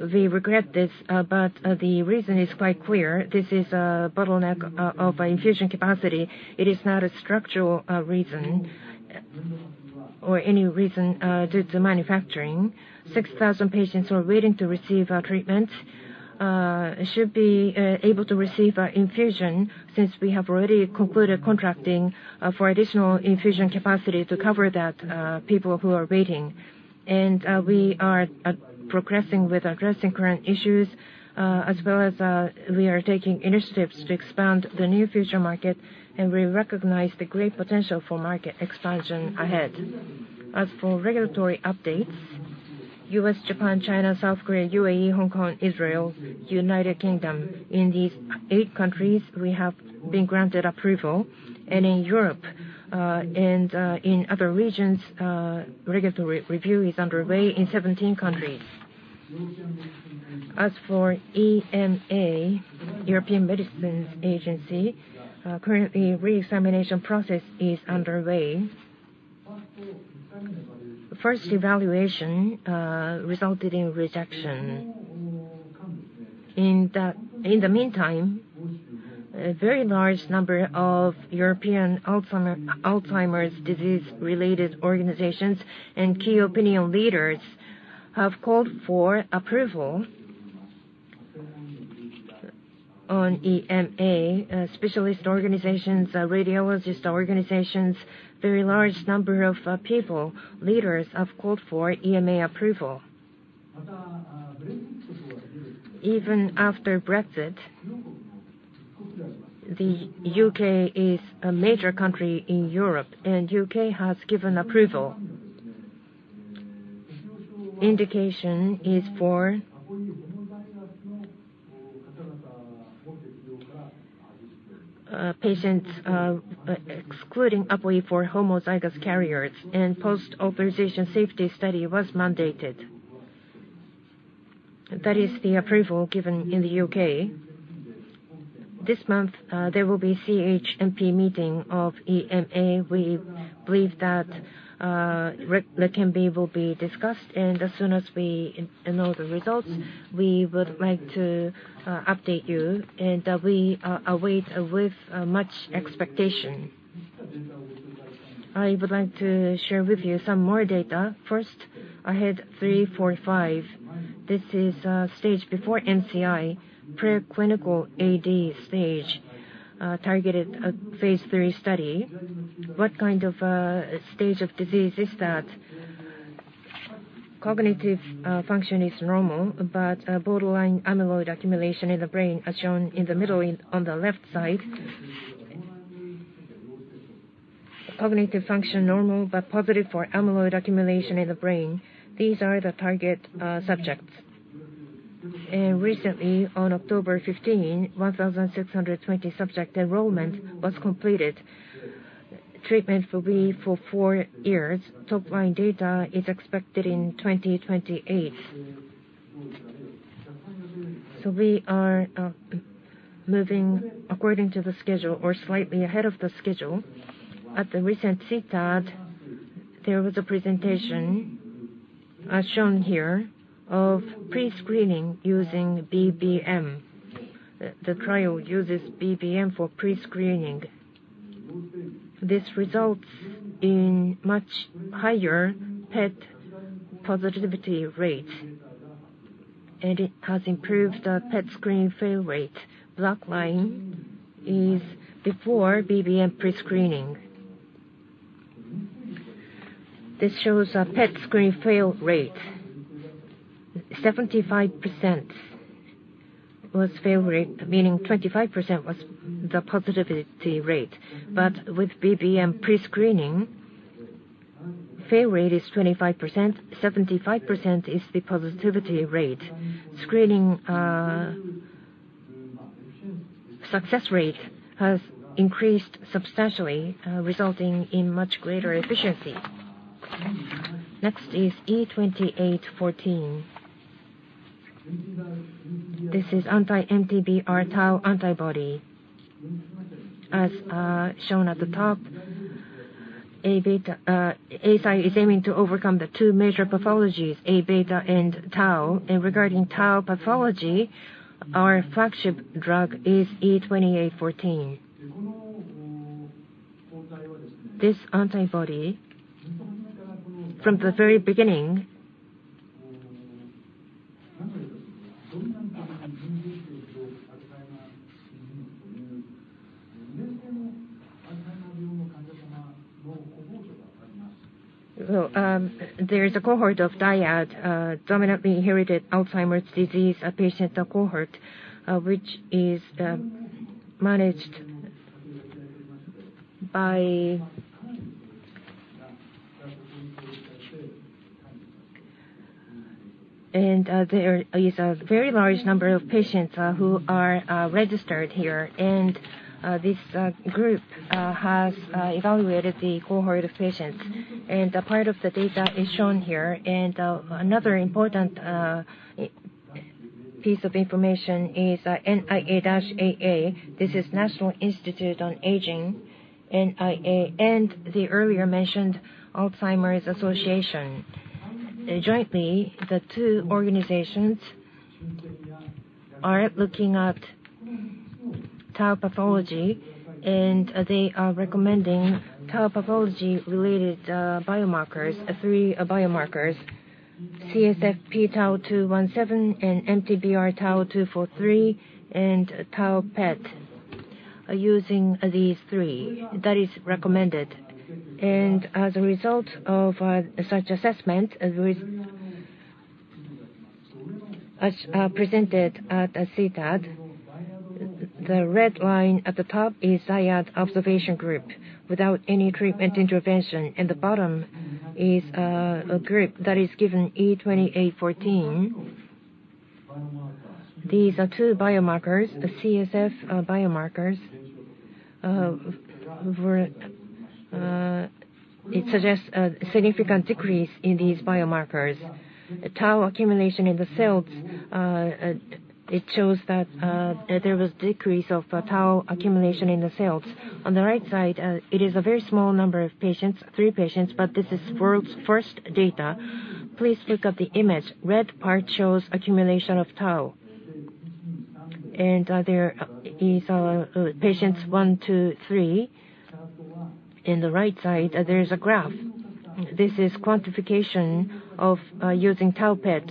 B: We regret this, but the reason is quite clear. This is a bottleneck of infusion capacity. It is not a structural reason or any reason due to manufacturing. 6,000 patients are waiting to receive treatment. Should be able to receive infusion since we have already concluded contracting for additional infusion capacity to cover that people who are waiting. And we are progressing with addressing current issues, as well as we are taking initiatives to expand the new future market, and we recognize the great potential for market expansion ahead. As for regulatory updates, U.S., Japan, China, South Korea, UAE, Hong Kong, Israel, United Kingdom, in these eight countries, we have been granted approval. And in Europe and in other regions, regulatory review is underway in 17 countries. As for EMA, European Medicines Agency, currently re-examination process is underway. First evaluation resulted in rejection. In the meantime, a very large number of European Alzheimer's disease-related organizations and key opinion leaders have called for approval on EMA, specialist organizations, radiologist organizations, very large number of people, leaders have called for EMA approval. Even after Brexit, the U.K. is a major country in Europe, and the U.K. has given approval. Indication is for patients excluding ApoE4 homozygous carriers, and post-authorization safety study was mandated. That is the approval given in the U.K. This month, there will be CHMP meeting of EMA. We believe that Leqembi will be discussed, and as soon as we know the results, we would like to update you, and we await with much expectation. I would like to share with you some more data. First, AHEAD 3-45. This is stage before MCI, preclinical AD stage, targeted phase 3 study. What kind of stage of disease is that? Cognitive function is normal, but borderline amyloid accumulation in the brain as shown in the middle on the left side. Cognitive function normal, but positive for amyloid accumulation in the brain. These are the target subjects. Recently, on October 15, 1,620 subject enrollment was completed. Treatment will be for four years. Top-line data is expected in 2028. We are moving according to the schedule or slightly ahead of the schedule. At the recent CTAD, there was a presentation as shown here of pre-screening using BBM. The trial uses BBM for pre-screening. This results in much higher PET positivity rate, and it has improved the PET screen fail rate. Black line is before BBM pre-screening. This shows a PET screen fail rate. 75% was fail rate, meaning 25% was the positivity rate. But with BBM pre-screening, fail rate is 25%. 75% is the positivity rate. Screening success rate has increased substantially, resulting in much greater efficiency. Next is E2814. This is anti-MTBR Tau antibody. As shown at the top, Eisai is aiming to overcome the two major pathologies, A beta and Tau. And regarding tau pathology, our flagship drug is E2814. This antibody, from the very beginning. There is a cohort of DIAD, dominantly inherited Alzheimer's disease patient cohort, which is managed by. And there is a very large number of patients who are registered here. And this group has evaluated the cohort of patients. And part of the data is shown here. And another important piece of information is NIA-AA. This is National Institute on Aging, NIA, and the earlier mentioned Alzheimer's Association. Jointly, the two organizations are looking at tau pathology, and they are recommending tau pathology-related biomarkers, three biomarkers, CSF p-Tau 217 and MTBR Tau 243 and Tau PET, using these three. That is recommended. And as a result of such assessment, as presented at CTAD, the red line at the top is DIAD observation group without any treatment intervention. And the bottom is a group that is given E2814. These are two biomarkers, CSF biomarkers. It suggests a significant decrease in these biomarkers. Tau accumulation in the cells, it shows that there was a decrease of Tau accumulation in the cells. On the right side, it is a very small number of patients, three patients, but this is first data. Please look at the image. The red part shows accumulation of Tau. And there are patients one, two, three. On the right side, there is a graph. This is quantification of using Tau PET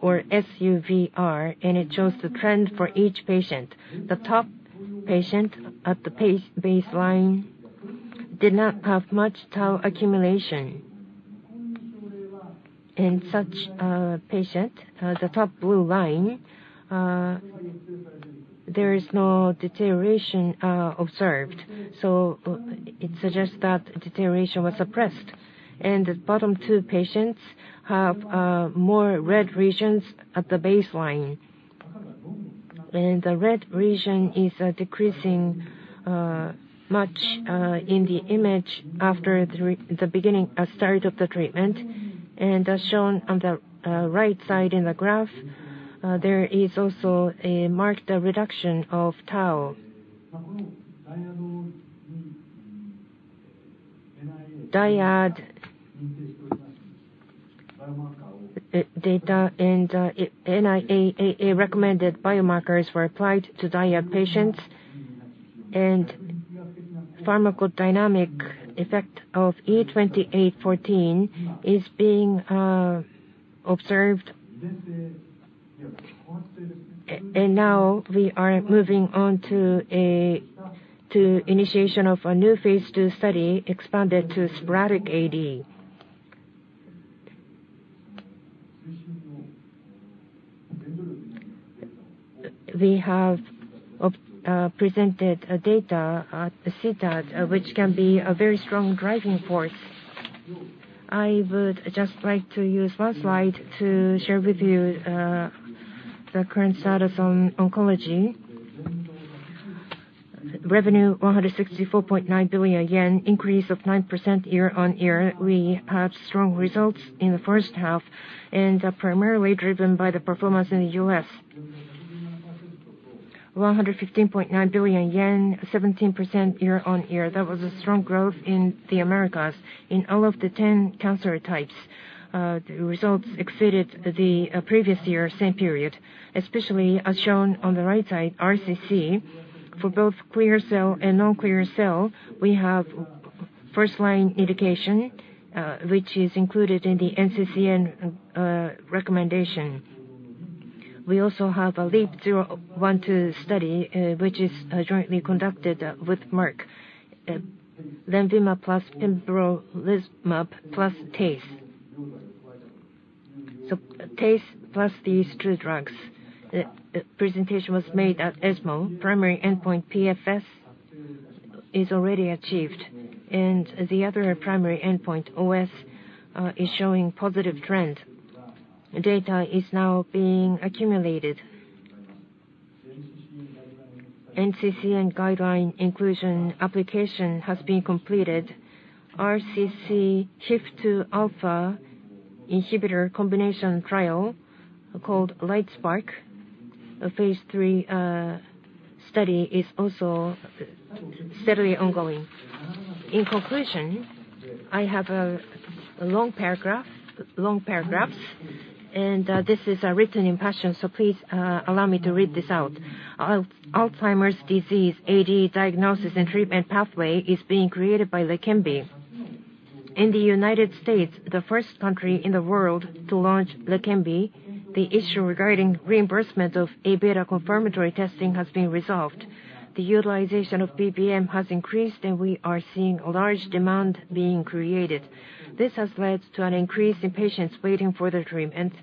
B: or SUVR, and it shows the trend for each patient. The top patient at the baseline did not have much Tau accumulation. In such a patient, the top blue line, there is no deterioration observed. So it suggests that deterioration was suppressed. And the bottom two patients have more red regions at the baseline. The red region is decreasing much in the image after the start of the treatment. And as shown on the right side in the graph, there is also a marked reduction of Tau. DIAD data and NIA-AA recommended biomarkers were applied to DIAD patients. And pharmacodynamic effect of E2814 is being observed. And now we are moving on to initiation of a new phase 2 study expanded to sporadic AD. We have presented data at CTAD, which can be a very strong driving force. I would just like to use one slide to share with you the current status on oncology. Revenue 164.9 billion yen, increase of 9% year on year. We had strong results in the first half, and primarily driven by the performance in the US. 115.9 billion yen, 17% year on year. That was a strong growth in the Americas in all of the 10 cancer types. The results exceeded the previous year, same period. Especially as shown on the right side, RCC for both clear cell and non-clear cell, we have first-line indication, which is included in the NCCN recommendation. We also have a LEAP-012 study, which is jointly conducted with Merck, Lenvima plus Pembrolizumab plus TACE. So TACE plus these two drugs. Presentation was made at ESMO. Primary endpoint PFS is already achieved. And the other primary endpoint, OS, is showing positive trend. Data is now being accumulated. NCCN guideline inclusion application has been completed. RCC HIF2 alpha inhibitor combination trial called LITESPARK, a phase 3 study, is also steadily ongoing. In conclusion, I have long paragraphs, and this is written in passion, so please allow me to read this out. Alzheimer's disease AD diagnosis and treatment pathway is being created by Leqembi. In the United States, the first country in the world to launch Leqembi, the issue regarding reimbursement of A beta confirmatory testing has been resolved. The utilization of BBM has increased, and we are seeing a large demand being created. This has led to an increase in patients waiting for their treatment,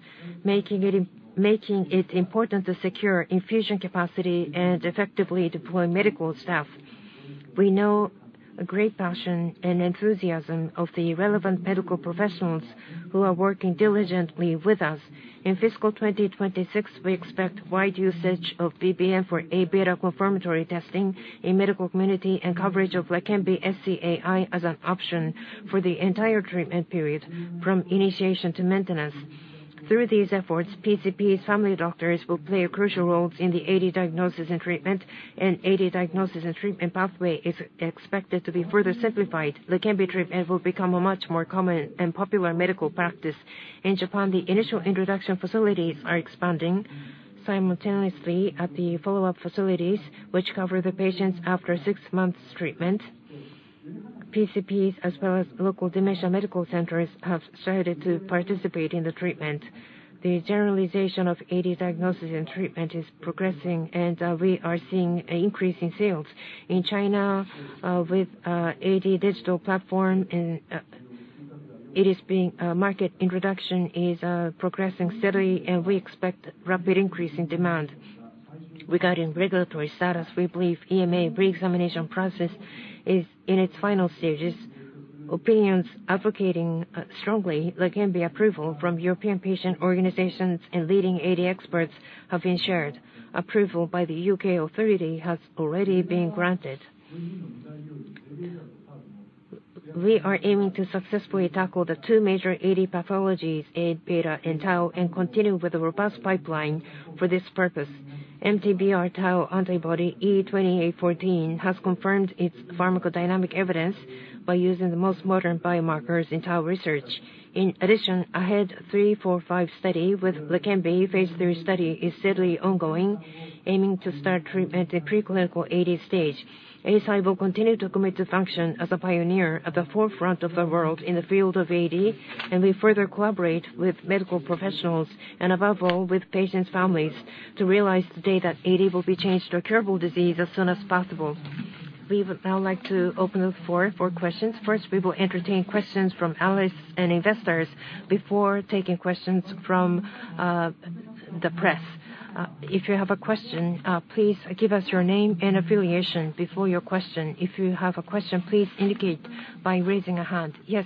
B: making it important to secure infusion capacity and effectively deploy medical staff. We know a great passion and enthusiasm of the relevant medical professionals who are working diligently with us. In fiscal 2026, we expect wide usage of BBM for A beta confirmatory testing in the medical community and coverage of Leqembi SCAI as an option for the entire treatment period, from initiation to maintenance. Through these efforts, PCPs, family doctors will play a crucial role in the AD diagnosis and treatment, and AD diagnosis and treatment pathway is expected to be further simplified. Leqembi treatment will become a much more common and popular medical practice. In Japan, the initial introduction facilities are expanding simultaneously at the follow-up facilities, which cover the patients after six months' treatment. PCPs, as well as local dementia medical centers, have started to participate in the treatment. The generalization of AD diagnosis and treatment is progressing, and we are seeing an increase in sales. In China, with AD digital platform, its market introduction is progressing steadily, and we expect rapid increase in demand. Regarding regulatory status, we believe EMA re-examination process is in its final stages. Opinions advocating strongly Leqembi approval from European patient organizations and leading AD experts have been shared. Approval by the UK authority has already been granted. We are aiming to successfully tackle the two major AD pathologies, A beta and Tau, and continue with a robust pipeline for this purpose. MTBR Tau antibody E2814 has confirmed its pharmacodynamic evidence by using the most modern biomarkers in Tau research. In addition, AHEAD 3-45 study with Leqembi phase 3 study is steadily ongoing, aiming to start treatment in preclinical AD stage. Eisai will continue to commit to function as a pioneer at the forefront of the world in the field of AD, and we further collaborate with medical professionals and, above all, with patients' families to realize today that AD will be changed to a curable disease as soon as possible.
A: We would now like to open the floor for questions. First, we will entertain questions from analysts and investors before taking questions from the press. If you have a question, please give us your name and affiliation before your question. If you have a question, please indicate by raising a hand. Yes,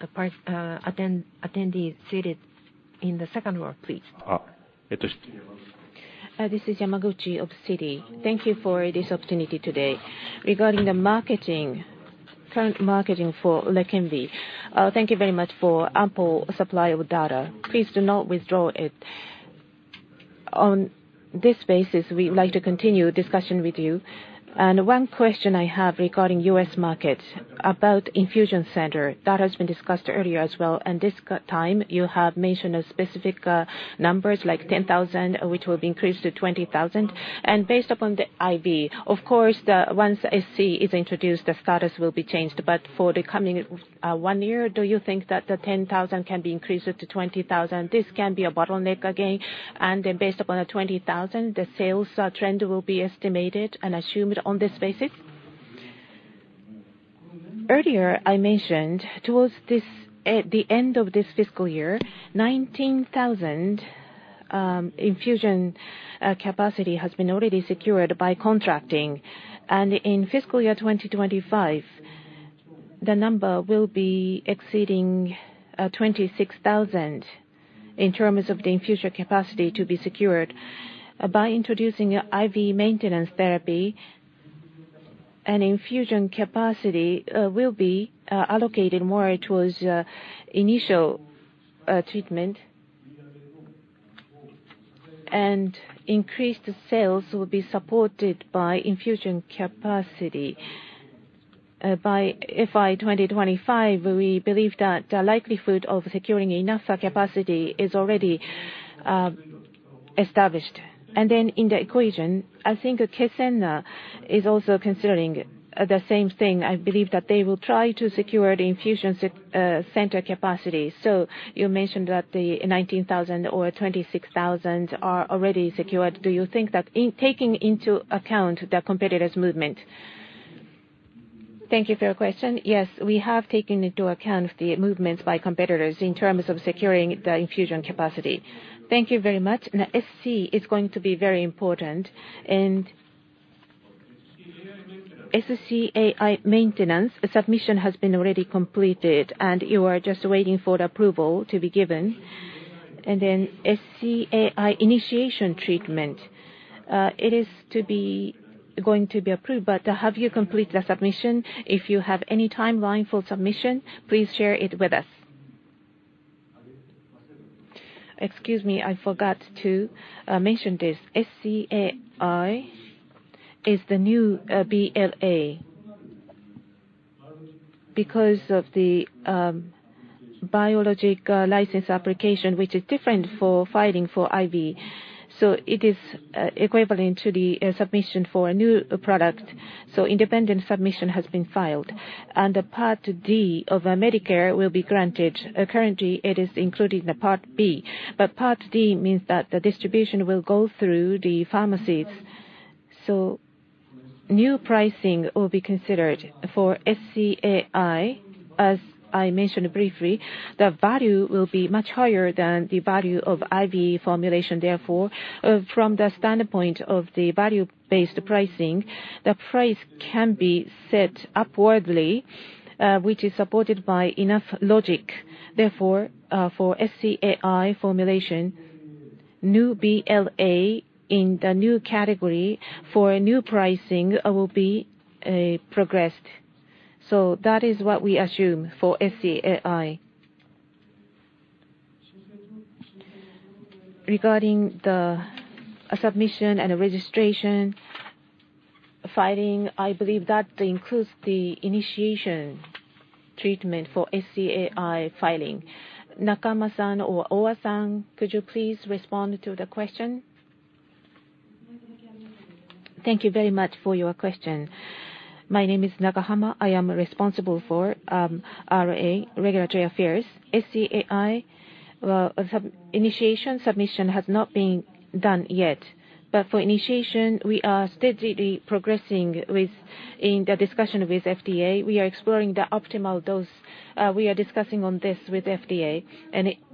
A: attendees seated in the second row, please.
C: This is Yamaguchi of Citi. Thank you for this opportunity today. Regarding the current marketing for Leqembi, thank you very much for ample supply of data. Please do not withdraw it. On this basis, we'd like to continue discussion with you. And one question I have regarding U.S. market about infusion center. That has been discussed earlier as well. And this time, you have mentioned specific numbers like 10,000, which will be increased to 20,000. And based upon the IV, of course, once SC is introduced, the status will be changed. But for the coming one year, do you think that the 10,000 can be increased to 20,000? This can be a bottleneck again. Based upon the 20,000, the sales trend will be estimated and assumed on this basis? Earlier, I mentioned towards the end of this fiscal year, 19,000 infusion capacity has been already secured by contracting. In fiscal year 2025, the number will be exceeding 26,000 in terms of the infusion capacity to be secured. By introducing IV maintenance therapy, an infusion capacity will be allocated more towards initial treatment, and increased sales will be supported by infusion capacity. By FY 2025, we believe that the likelihood of securing enough capacity is already established. In the equation, I think Kisunla is also considering the same thing. I believe that they will try to secure the infusion center capacity. You mentioned that the 19,000 or 26,000 are already secured. Do you think that taking into account the competitors' movement?
B: Thank you for your question. Yes, we have taken into account the movements by competitors in terms of securing the infusion capacity.
C: Thank you very much. SC is going to be very important. And SCAI maintenance submission has been already completed, and you are just waiting for the approval to be given. And then SCAI initiation treatment, it is going to be approved, but have you completed the submission? If you have any timeline for submission, please share it with us.
B: Excuse me, I forgot to mention this. SCAI is the new BLA because of the Biologics License Application, which is different for filing for IV. So it is equivalent to the submission for a new product. So independent submission has been filed. And the Part D of Medicare will be granted. Currently, it is included in the Part B, but Part D means that the distribution will go through the pharmacies. New pricing will be considered for SCAI, as I mentioned briefly. The value will be much higher than the value of IV formulation. Therefore, from the standpoint of the value-based pricing, the price can be set upwardly, which is supported by enough logic. Therefore, for SCAI formulation, new BLA in the new category for new pricing will be progressed. That is what we assume for SCAI.
D: Regarding the submission and registration filing, I believe that includes the initiation treatment for SCAI filing. Nakahama-san or Ogawa-san, could you please respond to the question?
E: Thank you very much for your question. My name is Nakahama. I am responsible for RA, regulatory affairs. SCAI initiation submission has not been done yet, but for initiation, we are steadily progressing in the discussion with FDA. We are exploring the optimal dose. We are discussing on this with FDA.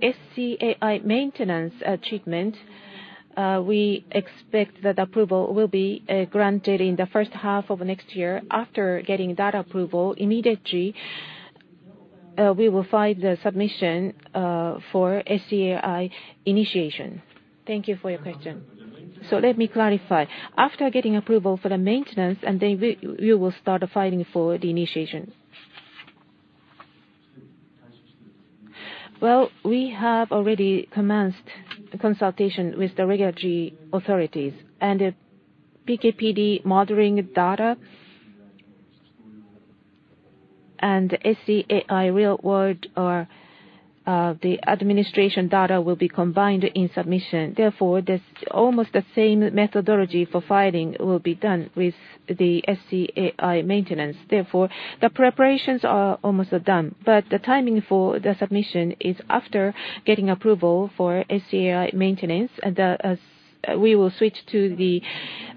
E: SCAI maintenance treatment, we expect that approval will be granted in the first half of next year. After getting that approval, immediately, we will file the submission for SCAI initiation. Thank you for your question. Let me clarify. After getting approval for the maintenance, and then we will start filing for the initiation. We have already commenced consultation with the regulatory authorities, and PKPD monitoring data and SCAI real-world or the administration data will be combined in submission. Therefore, almost the same methodology for filing will be done with the SCAI maintenance. Therefore, the preparations are almost done, but the timing for the submission is after getting approval for SCAI maintenance, and we will switch to the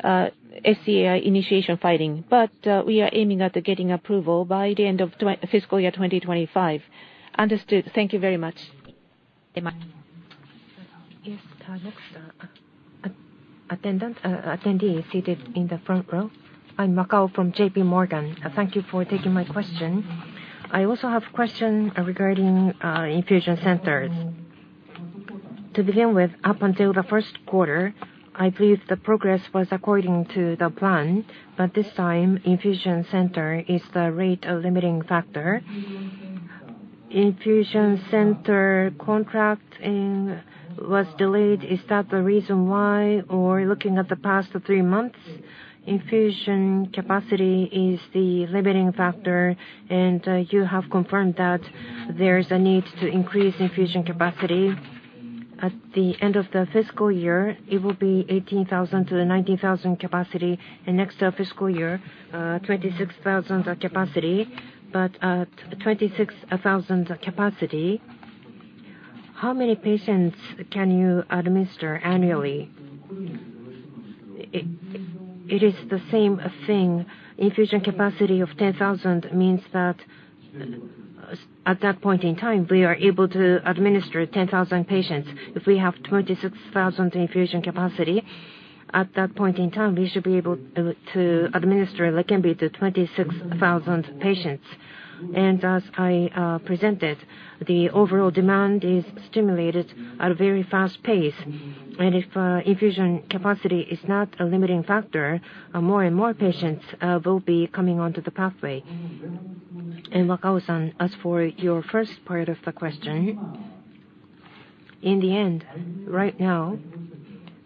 E: SCAI initiation filing. We are aiming at getting approval by the end of fiscal year 2025.
C: Understood. Thank you very much.
A: Yes, Okay, next. Attendee seated in the front row.
F: I'm Wakao from JPMorgan. Thank you for taking my question. I also have a question regarding infusion centers. To begin with, up until the first quarter, I believe the progress was according to the plan, but this time, infusion center is the rate limiting factor. Infusion center contracting was delayed. Is that the reason why, or looking at the past three months, infusion capacity is the limiting factor, and you have confirmed that there is a need to increase infusion capacity at the end of the fiscal year. It will be 18,000-19,000 capacity next fiscal year, 26,000 capacity, but at 26,000 capacity, how many patients can you administer annually?
B: It is the same thing. Infusion capacity of 10,000 means that at that point in time, we are able to administer 10,000 patients. If we have 26,000 infusion capacity, at that point in time, we should be able to administer Leqembi to 26,000 patients. And as I presented, the overall demand is stimulated at a very fast pace. And if infusion capacity is not a limiting factor, more and more patients will be coming onto the pathway. And Wakao-san, as for your first part of the question, in the end, right now,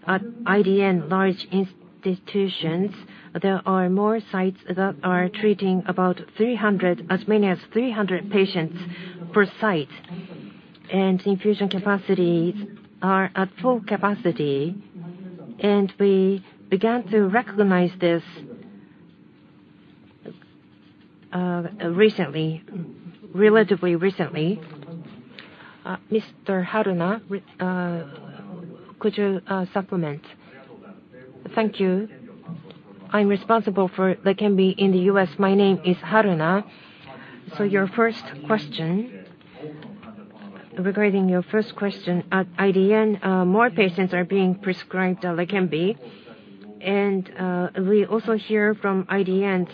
B: at IDN large institutions, there are more sites that are treating about 300, as many as 300 patients per site, and infusion capacities are at full capacity. And we began to recognize this recently, relatively recently. Mr. Haruna, could you supplement?
D: Thank you. I'm responsible for Leqembi in the US. My name is Haruna. So your first question regarding your first question at IDN, more patients are being prescribed Leqembi. We also hear from IDNs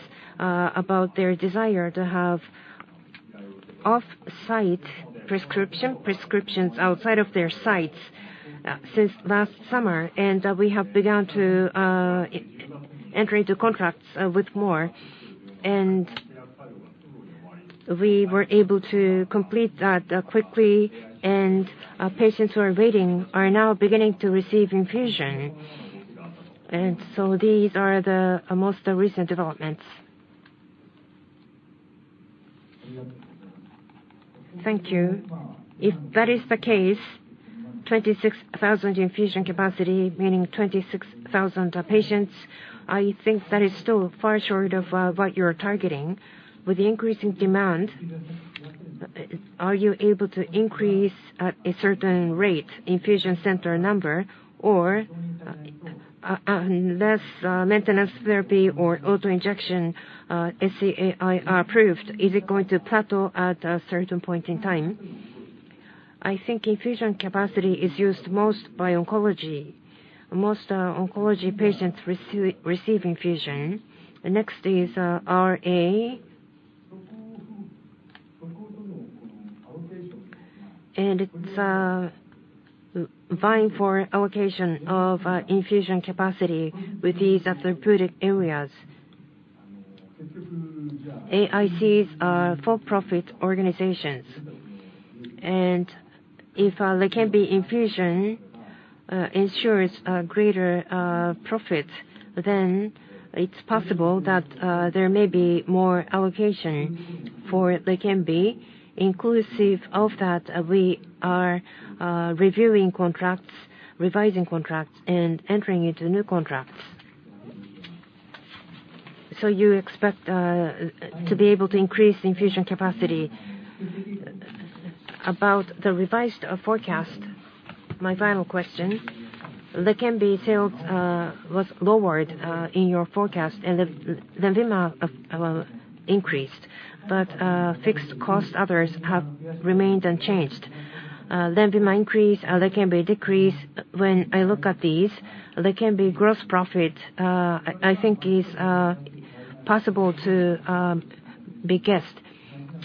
D: about their desire to have off-site prescriptions, prescriptions outside of their sites since last summer. We have begun to enter into contracts with more. We were able to complete that quickly, and patients who are waiting are now beginning to receive infusion. So these are the most recent developments.
G: Thank you. If that is the case, 26,000 infusion capacity, meaning 26,000 patients, I think that is still far short of what you're targeting. With the increasing demand, are you able to increase at a certain rate infusion center number, or unless maintenance therapy or auto injection SCAI are approved, is it going to plateau at a certain point in time?
D: I think infusion capacity is used most by oncology. Most oncology patients receive infusion. Next is RA. It's vying for allocation of infusion capacity with these therapeutic areas. AICs are for-profit organizations. And if Leqembi infusion ensures greater profits, then it's possible that there may be more allocation for Leqembi, inclusive of that we are reviewing contracts, revising contracts, and entering into new contracts.
H: So you expect to be able to increase infusion capacity. About the revised forecast, my final question. Leqembi sales was lowered in your forecast, and then Lenvima increased, but fixed cost others have remained unchanged. Then Lenvima increase, Leqembi decrease. When I look at these, Leqembi gross profit, I think, is possible to be guessed.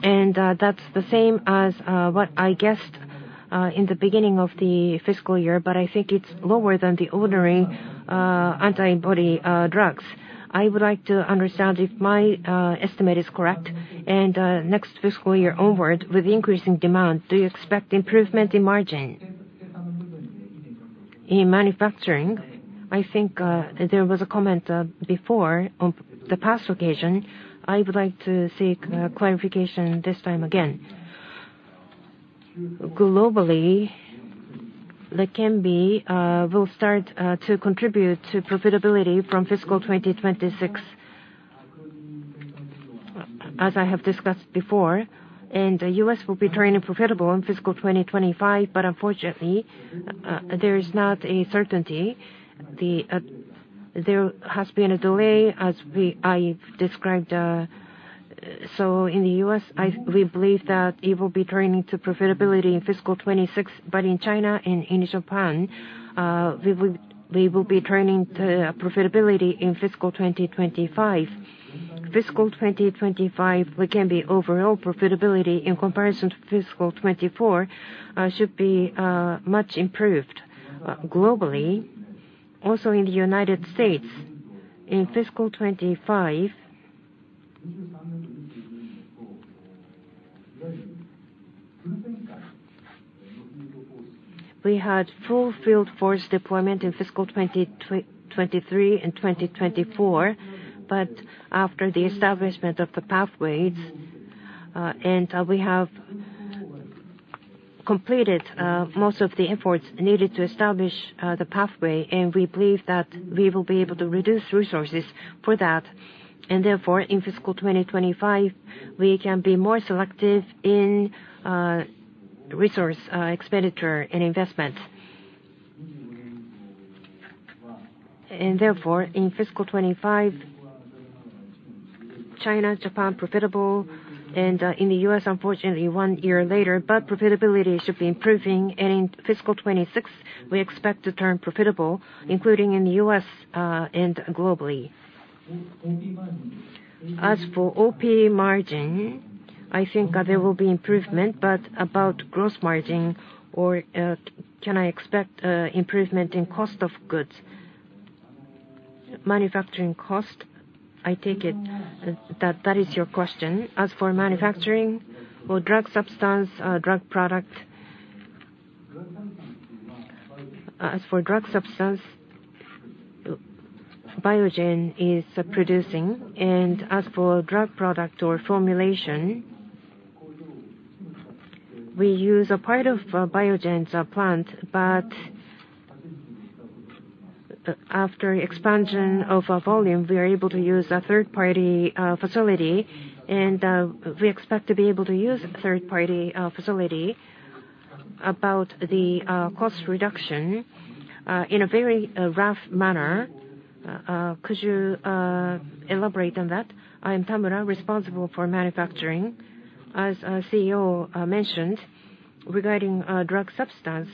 H: And that's the same as what I guessed in the beginning of the fiscal year, but I think it's lower than the other antibody drugs. I would like to understand if my estimate is correct. And next fiscal year onward, with increasing demand, do you expect improvement in margin?
B: In manufacturing, I think there was a comment before on the past occasion. I would like to seek clarification this time again. Globally, Leqembi will start to contribute to profitability from fiscal 2026, as I have discussed before. And the US will be turning profitable in fiscal 2025, but unfortunately, there is not a certainty. There has been a delay, as I described. So in the US, we believe that it will be turning to profitability in fiscal 26, but in China and in Japan, we will be turning to profitability in fiscal 2025. Fiscal 2025, Leqembi overall profitability in comparison to fiscal 24 should be much improved globally. Also in the United States, in fiscal 2025, we had full field force deployment in fiscal 2023 and 2024, but after the establishment of the pathways, and we have completed most of the efforts needed to establish the pathway, and we believe that we will be able to reduce resources for that. And therefore, in fiscal 2025, we can be more selective in resource expenditure and investment. And therefore, in fiscal 2025, China, Japan profitable, and in the US, unfortunately, one year later, but profitability should be improving. And in fiscal 2026, we expect to turn profitable, including in the US and globally.
I: As for OP margin, I think there will be improvement, but about gross margin, or can I expect improvement in cost of goods?
B: Manufacturing cost, I take it that is your question. As for manufacturing or drug substance, drug product, as for drug substance, Biogen is producing. And as for drug product or formulation, we use a part of Biogen's plant, but after expansion of volume, we are able to use a third-party facility, and we expect to be able to use a third-party facility.
I: About the cost reduction, in a very rough manner, could you elaborate on that?
J: I'm Tamura, responsible for manufacturing. As CEO mentioned, regarding drug substance,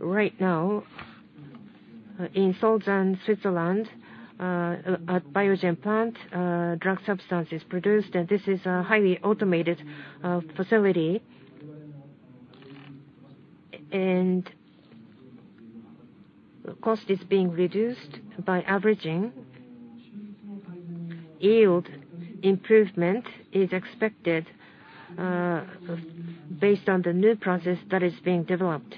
J: right now, in Solothurn, Switzerland, at Biogen plant, drug substance is produced, and this is a highly automated facility. And cost is being reduced by averaging. Yield improvement is expected based on the new process that is being developed.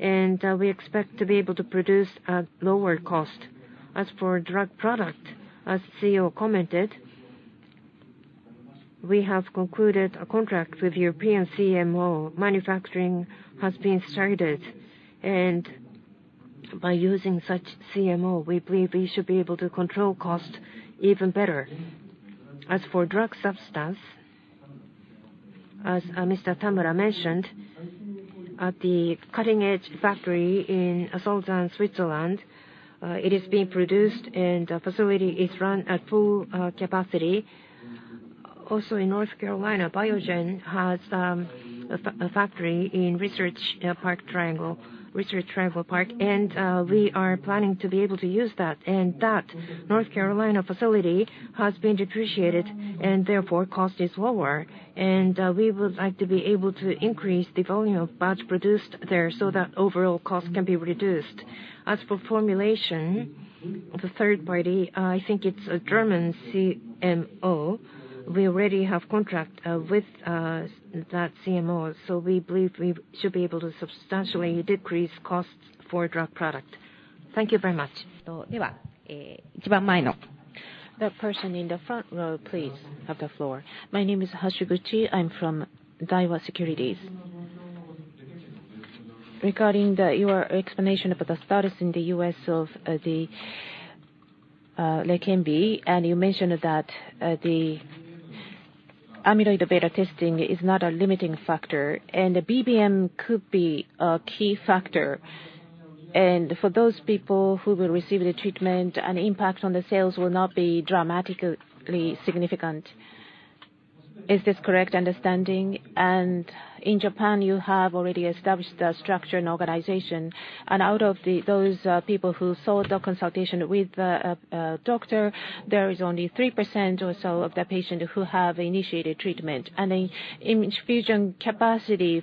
J: And we expect to be able to produce at lower cost. As for drug product, as CEO commented, we have concluded a contract with European CMO. Manufacturing has been started. By using such CMO, we believe we should be able to control cost even better. As for drug substance, as Mr. Tamura mentioned, at the cutting-edge factory in Solothurn, Switzerland, it is being produced, and the facility is run at full capacity. Also, in North Carolina, Biogen has a factory in Research Triangle Park, and we are planning to be able to use that. That North Carolina facility has been depreciated, and therefore, cost is lower. We would like to be able to increase the volume of batch produced there so that overall cost can be reduced. As for formulation, the third party, I think it's a German CMO. We already have a contract with that CMO, so we believe we should be able to substantially decrease costs for drug product. Thank you very much.
A: The person in the front row, please.
K: My name is Hashiguchi. I'm from Daiwa Securities. Regarding your explanation about the status in the US of the Leqembi, and you mentioned that the amyloid beta testing is not a limiting factor, and the BBM could be a key factor. For those people who will receive the treatment, an impact on the sales will not be dramatically significant. Is this correct understanding? In Japan, you have already established a structure and organization. Out of those people who sought the consultation with the doctor, there is only 3% or so of the patients who have initiated treatment. The infusion capacity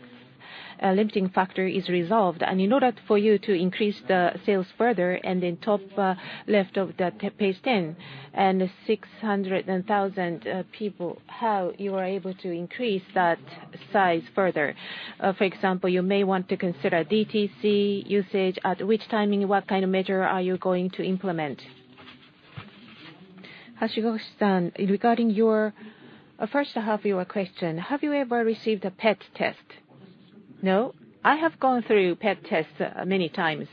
K: limiting factor is resolved. In order for you to increase the sales further, and then top left of the page 10, and 600,000 people, how you are able to increase that size further? For example, you may want to consider DTC usage. At which timing? What kind of measure are you going to implement?
B: Hashiguchi-san, regarding your first half of your question, have you ever received a PET test? I have gone through PET tests many times.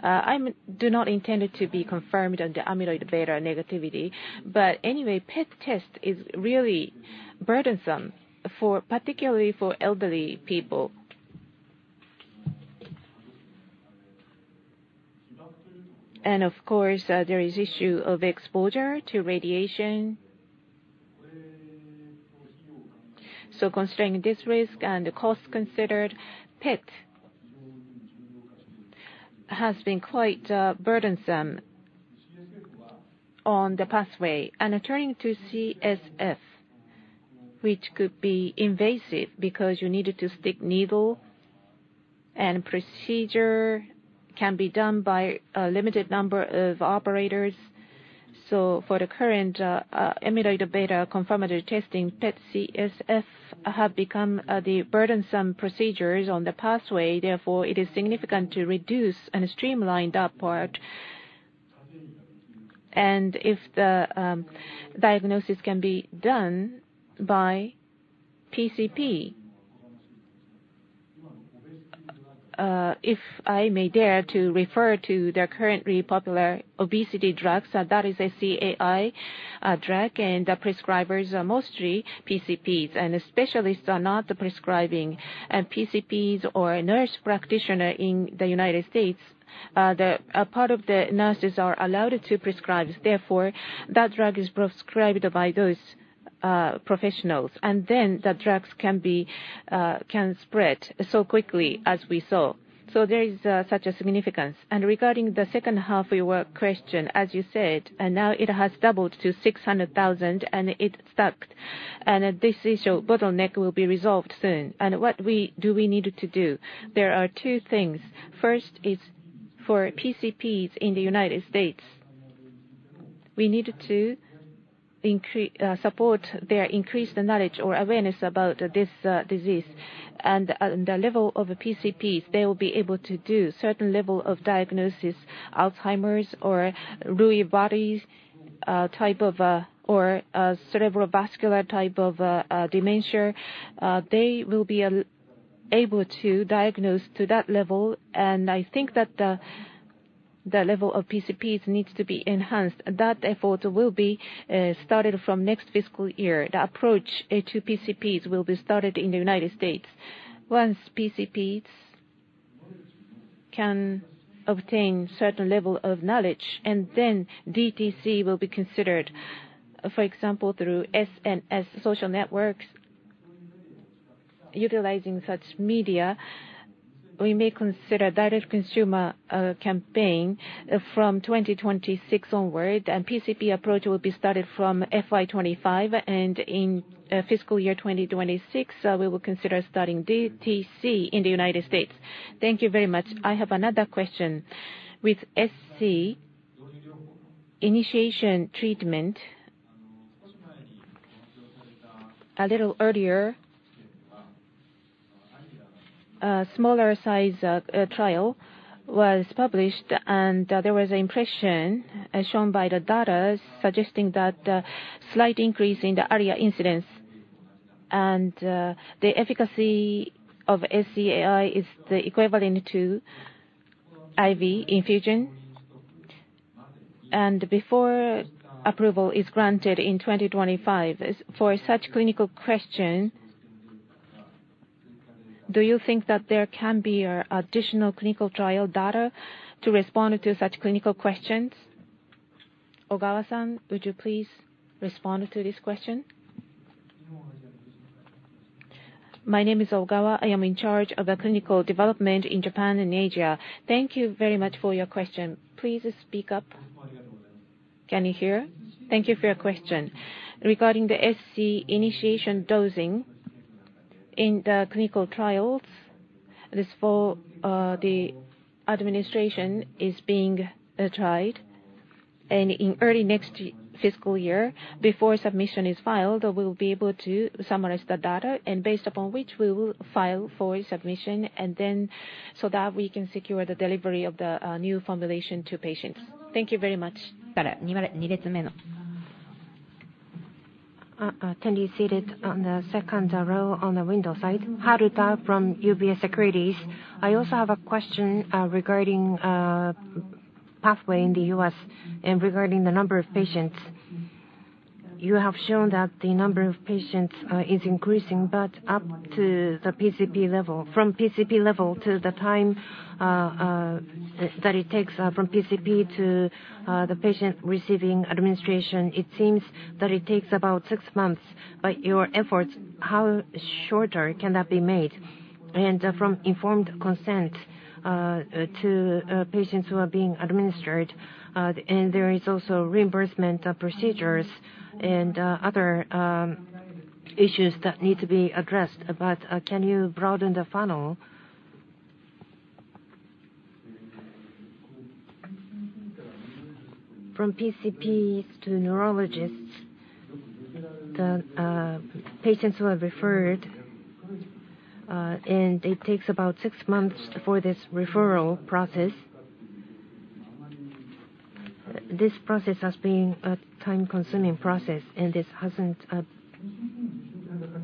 B: I do not intend to be confirmed on the amyloid beta negativity. But anyway, PET test is really burdensome, particularly for elderly people. Of course, there is the issue of exposure to radiation. Considering this risk and the cost considered, PET has been quite burdensome on the pathway. Turning to CSF, which could be invasive because you needed to stick needle. Procedure can be done by a limited number of operators. For the current amyloid beta confirmatory testing, PET CSF have become the burdensome procedures on the pathway. Therefore, it is significant to reduce and streamline that part. If the diagnosis can be done by PCP, if I may dare to refer to the currently popular obesity drugs, that is a CAI drug, and the prescribers are mostly PCPs, and specialists are not prescribing. PCPs or nurse practitioners in the United States, part of the nurses are allowed to prescribe. Therefore, that drug is prescribed by those professionals. Then the drugs can spread so quickly, as we saw. So there is such a significance. Regarding the second half of your question, as you said, now it has doubled to 600,000, and it's stuck. This issue bottleneck will be resolved soon. What do we need to do? There are two things. First is for PCPs in the United States. We need to support their increased knowledge or awareness about this disease. The level of PCPs, they will be able to do a certain level of diagnosis, Alzheimer's or Lewy body type of or cerebrovascular type of dementia. They will be able to diagnose to that level. I think that the level of PCPs needs to be enhanced. That effort will be started from next fiscal year. The approach to PCPs will be started in the United States. Once PCPs can obtain a certain level of knowledge, and then DTC will be considered. For example, through SNS, social networks, utilizing such media, we may consider a direct consumer campaign from 2026 onward. PCP approach will be started from FY25. In fiscal year 2026, we will consider starting DTC in the United States.
K: Thank you very much. I have another question. With SC, initiation treatment a little earlier, a smaller size trial was published, and there was an impression shown by the data suggesting that a slight increase in the ARIA incidence, and the efficacy of SCAI is equivalent to IV infusion, and before approval is granted in 2025, for such clinical questions, do you think that there can be additional clinical trial data to respond to such clinical questions? Ogawa-san, would you please respond to this question?
L: My name is Ogawa. I am in charge of clinical development in Japan and Asia. Thank you very much for your question. Please speak up. Can you hear? Thank you for your question. Regarding the SC initiation dosing in the clinical trials, this form of administration is being tried. And in early next fiscal year, before submission is filed, we will be able to summarize the data, and based upon which, we will file for submission, and then so that we can secure the delivery of the new formulation to patients. Thank you very much. Can you see it on the second row on the window side?
M: Haruta from UBS Securities. I also have a question regarding pathway in the US and regarding the number of patients. You have shown that the number of patients is increasing, but up to the PCP level. From PCP level to the time that it takes from PCP to the patient receiving administration, it seems that it takes about six months. But your efforts, how shorter can that be made?
B: From informed consent to patients who are being administered, and there is also reimbursement of procedures and other issues that need to be addressed. But can you broaden the funnel? From PCPs to neurologists, the patients who are referred, and it takes about six months for this referral process. This process has been a time-consuming process, and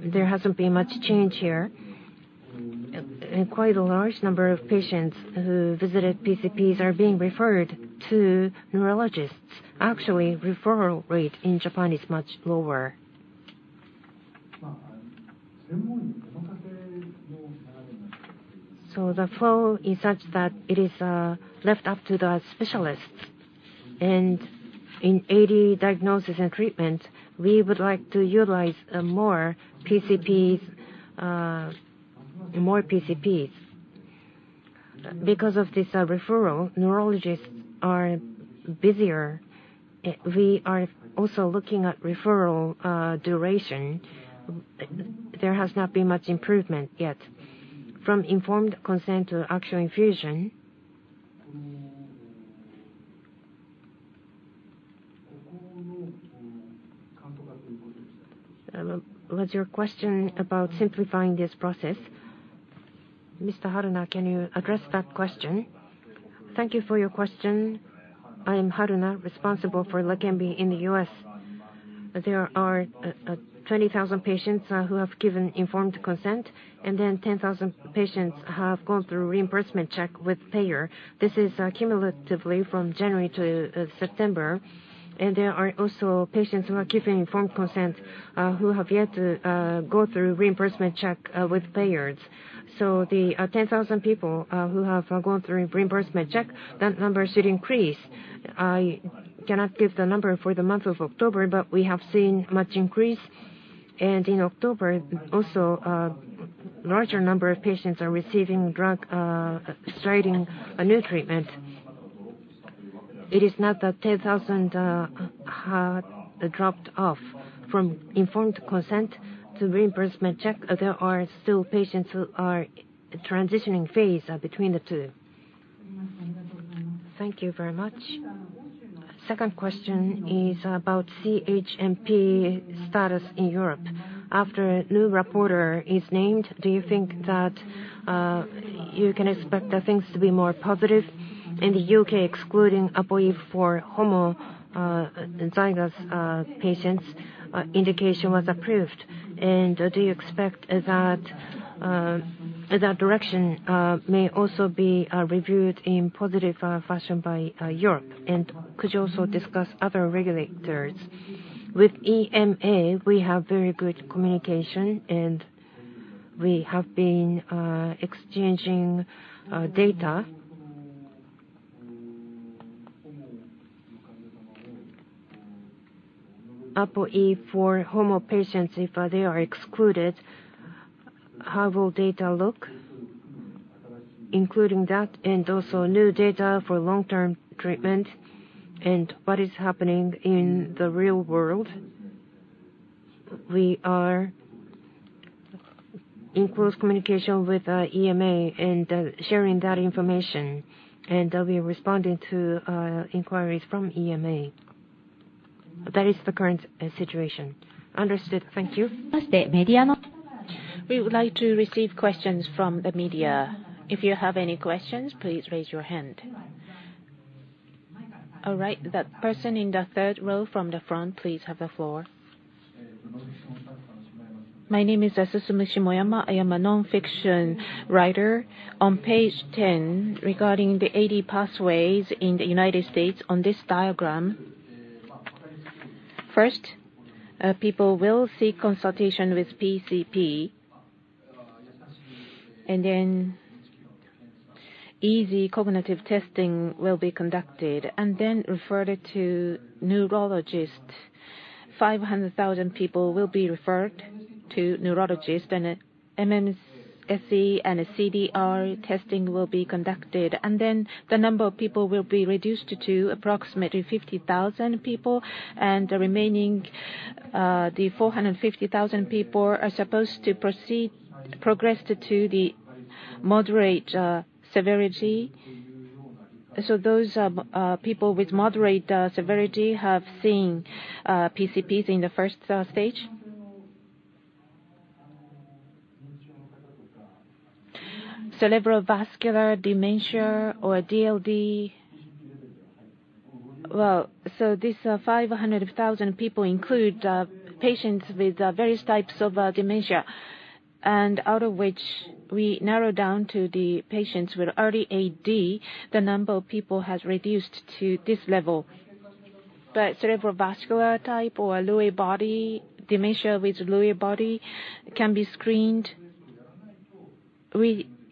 B: there hasn't been much change here. And quite a large number of patients who visited PCPs are being referred to neurologists. Actually, referral rate in Japan is much lower. So the flow is such that it is left up to the specialists. And in AD diagnosis and treatment, we would like to utilize more PCPs. Because of this referral, neurologists are busier. We are also looking at referral duration. There has not been much improvement yet. From informed consent to actual infusion. Was your question about simplifying this process? Mr. Haruna, can you address that question?
D: Thank you for your question. I am Haruna, responsible for Leqembi in the US. There are 20,000 patients who have given informed consent, and then 10,000 patients have gone through reimbursement check with payer. This is cumulatively from January to September. And there are also patients who have given informed consent who have yet to go through reimbursement check with payers. So the 10,000 people who have gone through reimbursement check, that number should increase. I cannot give the number for the month of October, but we have seen much increase. And in October, also, a larger number of patients are receiving drug, starting a new treatment. It is not that 10,000 had dropped off. From informed consent to reimbursement check, there are still patients who are transitioning phase between the two.
M: Thank you very much. Second question is about CHMP status in Europe. After a new rapporteur is named, do you think that you can expect things to be more positive? In the U.K., excluding ApoE4 for homozygous patients, indication was approved. Do you expect that that direction may also be reviewed in a positive fashion by Europe? Could you also discuss other regulators? With EMA, we have very good communication, and we have been exchanging data. ApoE4 for homozygous patients, if they are excluded, how will data look, including that, and also new data for long-term treatment, and what is happening in the real world?
D: We are in close communication with EMA and sharing that information. We are responding to inquiries from EMA. That is the current situation.
M: Understood. Thank you.
A: We would like to receive questions from the media. If you have any questions, please raise your hand. All right. The person in the third row from the front, please have the floor.
N: My name is Susumu Shimoyama. I am a nonfiction writer. On page 10, regarding the AD pathways in the United States, on this diagram. First, people will seek consultation with PCP, and then easy cognitive testing will be conducted. And then referred to neurologist. 500,000 people will be referred to neurologist, and MMSE and CDR testing will be conducted. And then the number of people will be reduced to approximately 50,000 people, and the remaining 450,000 people are supposed to progress to the moderate severity. So those people with moderate severity have seen PCPs in the first stage. Cerebrovascular dementia or DLB. Well, so these 500,000 people include patients with various types of dementia. Out of which we narrow down to the patients with early AD, the number of people has reduced to this level. But cerebrovascular type or Lewy body dementia with Lewy body can be screened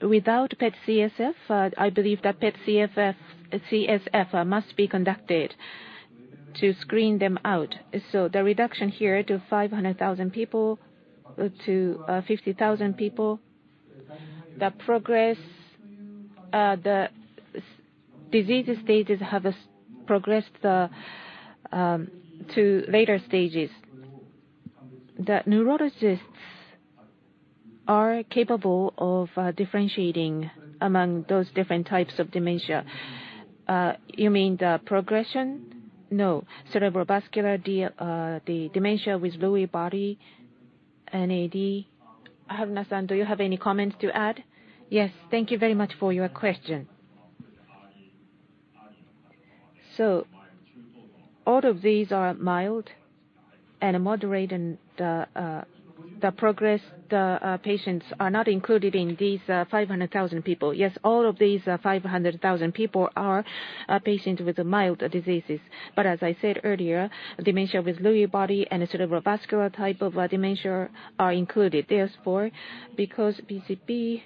N: without PET CSF. I believe that PET CSF must be conducted to screen them out. So the reduction here to 500,000 people, to 50,000 people, the progress, the disease stages have progressed to later stages. The neurologists are capable of differentiating among those different types of dementia. You mean the progression?
B: No. Cerebrovascular dementia with Lewy body, NAD. Haruna-san, do you have any comments to add?
D: Yes. Thank you very much for your question. So all of these are mild and moderate, and the progress, the patients are not included in these 500,000 people. Yes, all of these 500,000 people are patients with mild diseases. But as I said earlier, dementia with Lewy body and cerebrovascular type of dementia are included. Therefore, because PCP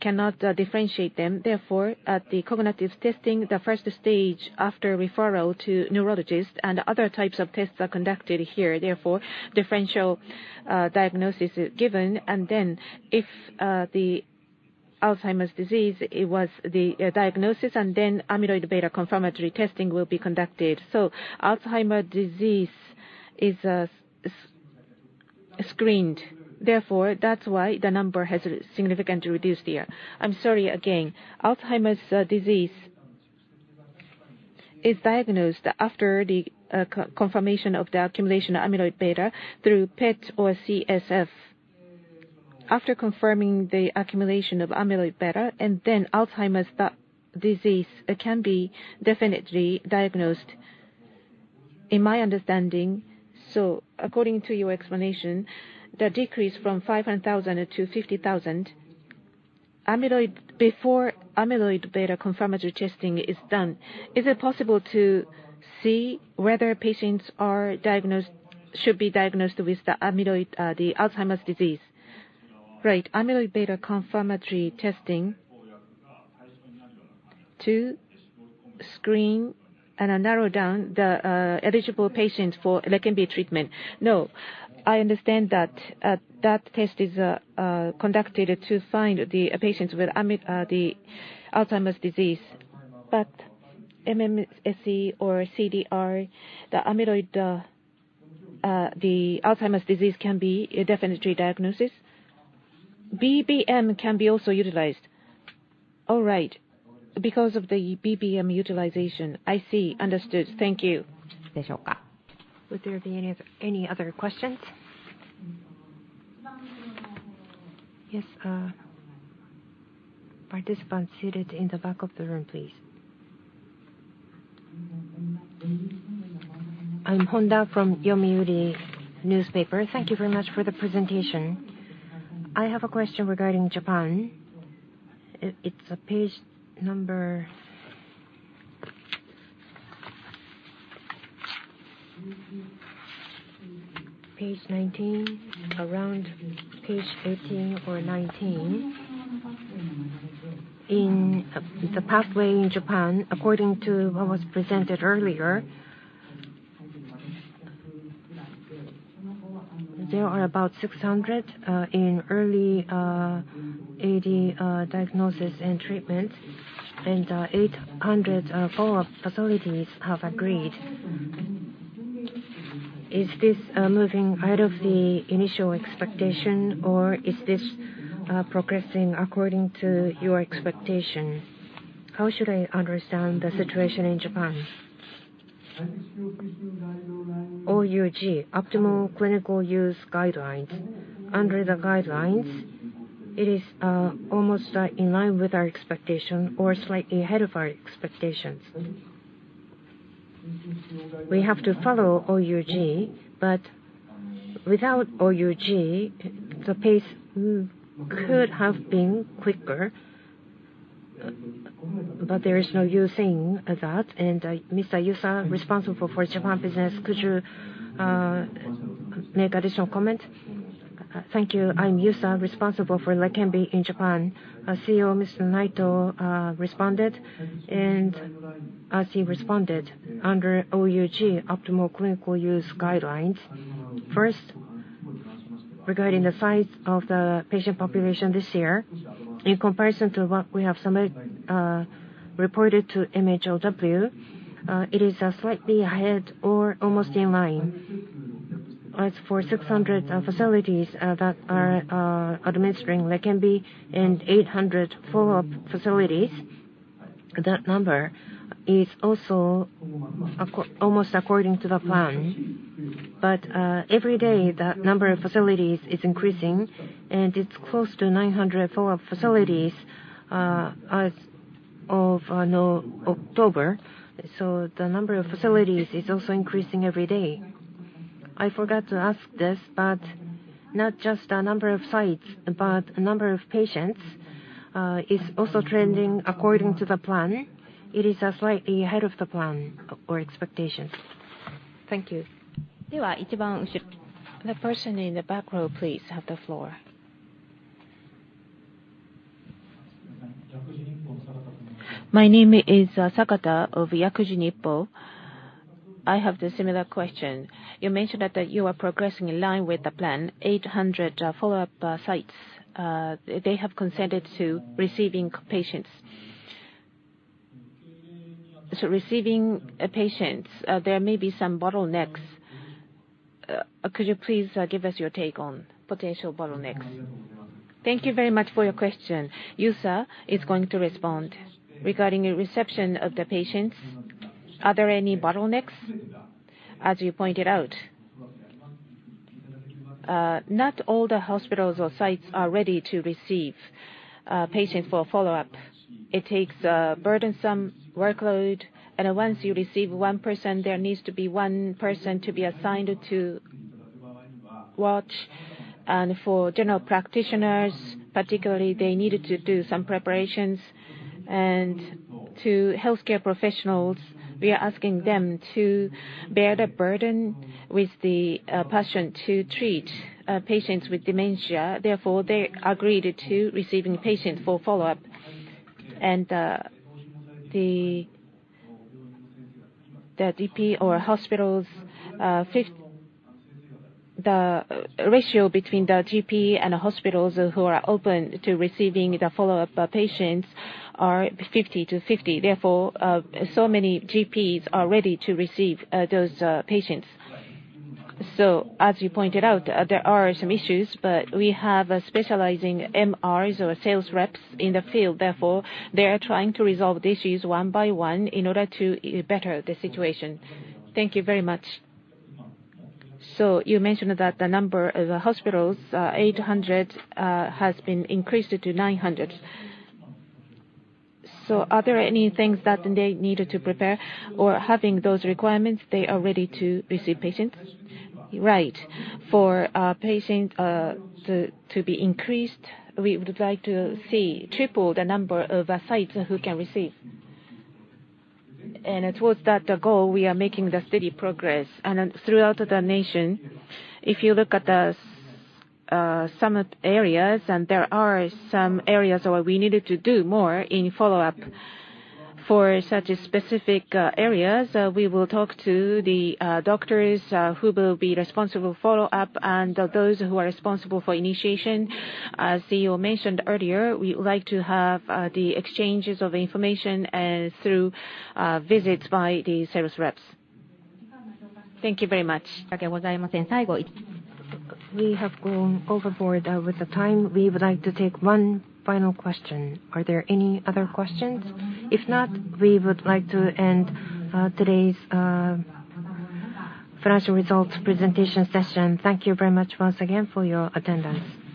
D: cannot differentiate them, therefore, at the cognitive testing, the first stage after referral to neurologist and other types of tests are conducted here. Therefore, differential diagnosis is given, and then if the Alzheimer's disease was the diagnosis, and then amyloid beta confirmatory testing will be conducted. So Alzheimer's disease is screened. Therefore, that's why the number has significantly reduced here. I'm sorry again. Alzheimer's disease is diagnosed after the confirmation of the accumulation of amyloid beta through PET or CSF. After confirming the accumulation of amyloid beta, and then Alzheimer's disease can be definitely diagnosed.
N: In my understanding, so according to your explanation, the decrease from 500,000 to 50,000, amyloid before amyloid beta confirmatory testing is done. Is it possible to see whether patients should be diagnosed with the Alzheimer's disease?
D: Right. Amyloid beta confirmatory testing to screen and narrow down the eligible patients for Leqembi treatment.
N: No. I understand that that test is conducted to find the patients with the Alzheimer's disease. But MMSE or CDR, the Alzheimer's disease can be a definite diagnosis. BBM can be also utilized. All right. Because of the BBM utilization. I see. Understood. Thank you.
A: Would there be any other questions? Yes. Participants seated in the back of the room, please.
O: I'm Honda from Yomiuri Newspaper. Thank you very much for the presentation. I have a question regarding Japan. It's page number 19, around page 18 or 19. In the pathway in Japan, according to what was presented earlier, there are about 600 in early AD diagnosis and treatment, and 800 follow-up facilities have agreed. Is this moving out of the initial expectation, or is this progressing according to your expectation? How should I understand the situation in Japan?
B: OUG, optimal clinical use guidelines. Under the guidelines, it is almost in line with our expectations or slightly ahead of our expectations. We have to follow OUG, but without OUG, the pace could have been quicker, but there is no use saying that. Mr. Yusa, responsible for Japan business, could you make additional comment?
P: Thank you. I'm Yusa, responsible for Leqembi in Japan. CEO Mr. Naito responded, and as he responded, under OUG, optimal clinical use guidelines. First, regarding the size of the patient population this year, in comparison to what we have reported to MHLW, it is slightly ahead or almost in line. As for 600 facilities that are administering Leqembi and 800 follow-up facilities, that number is also almost according to the plan, but every day, that number of facilities is increasing, and it's close to 900 follow-up facilities as of October, so the number of facilities is also increasing every day.
O: I forgot to ask this, but not just the number of sites, but the number of patients is also trending according to the plan.
P: It is slightly ahead of the plan or expectations. Thank you.
A: The person in the back row, please, have the floor.
Q: My name is Sakata of Yakuji Nippo. I have the similar question. You mentioned that you are progressing in line with the plan. 800 follow-up sites, they have consented to receiving patients. So receiving patients, there may be some bottlenecks. Could you please give us your take on potential bottlenecks?
A: Thank you very much for your question. Yusa is going to respond.
P: Regarding the reception of the patients, are there any bottlenecks? As you pointed out, not all the hospitals or sites are ready to receive patients for follow-up. It takes a burdensome workload, and once you receive one person, there needs to be one person to be assigned to watch. And for general practitioners, particularly, they needed to do some preparations. And to healthcare professionals, we are asking them to bear the burden with the passion to treat patients with dementia. Therefore, they agreed to receiving patients for follow-up. And the GP or hospitals, the ratio between the GP and hospitals who are open to receiving the follow-up patients are 50 to 50. Therefore, so many GPs are ready to receive those patients. So as you pointed out, there are some issues, but we have specializing MRs or sales reps in the field. Therefore, they are trying to resolve the issues one by one in order to better the situation.
Q: Thank you very much. So you mentioned that the number of hospitals, 800, has been increased to 900. So are there any things that they needed to prepare? Or having those requirements, they are ready to receive patients?
P: Right. For patients to be increased, we would like to see triple the number of sites who can receive. And towards that goal, we are making steady progress. And throughout the nation, if you look at some areas, there are some areas where we needed to do more in follow-up. For such specific areas, we will talk to the doctors who will be responsible for follow-up and those who are responsible for initiation. As you mentioned earlier, we would like to have the exchanges of information through visits by the sales reps.
Q: Thank you very much.
A: We have gone overboard with the time. We would like to take one final question. Are there any other questions? If not, we would like to end today's financial results presentation session. Thank you very much once again for your attendance.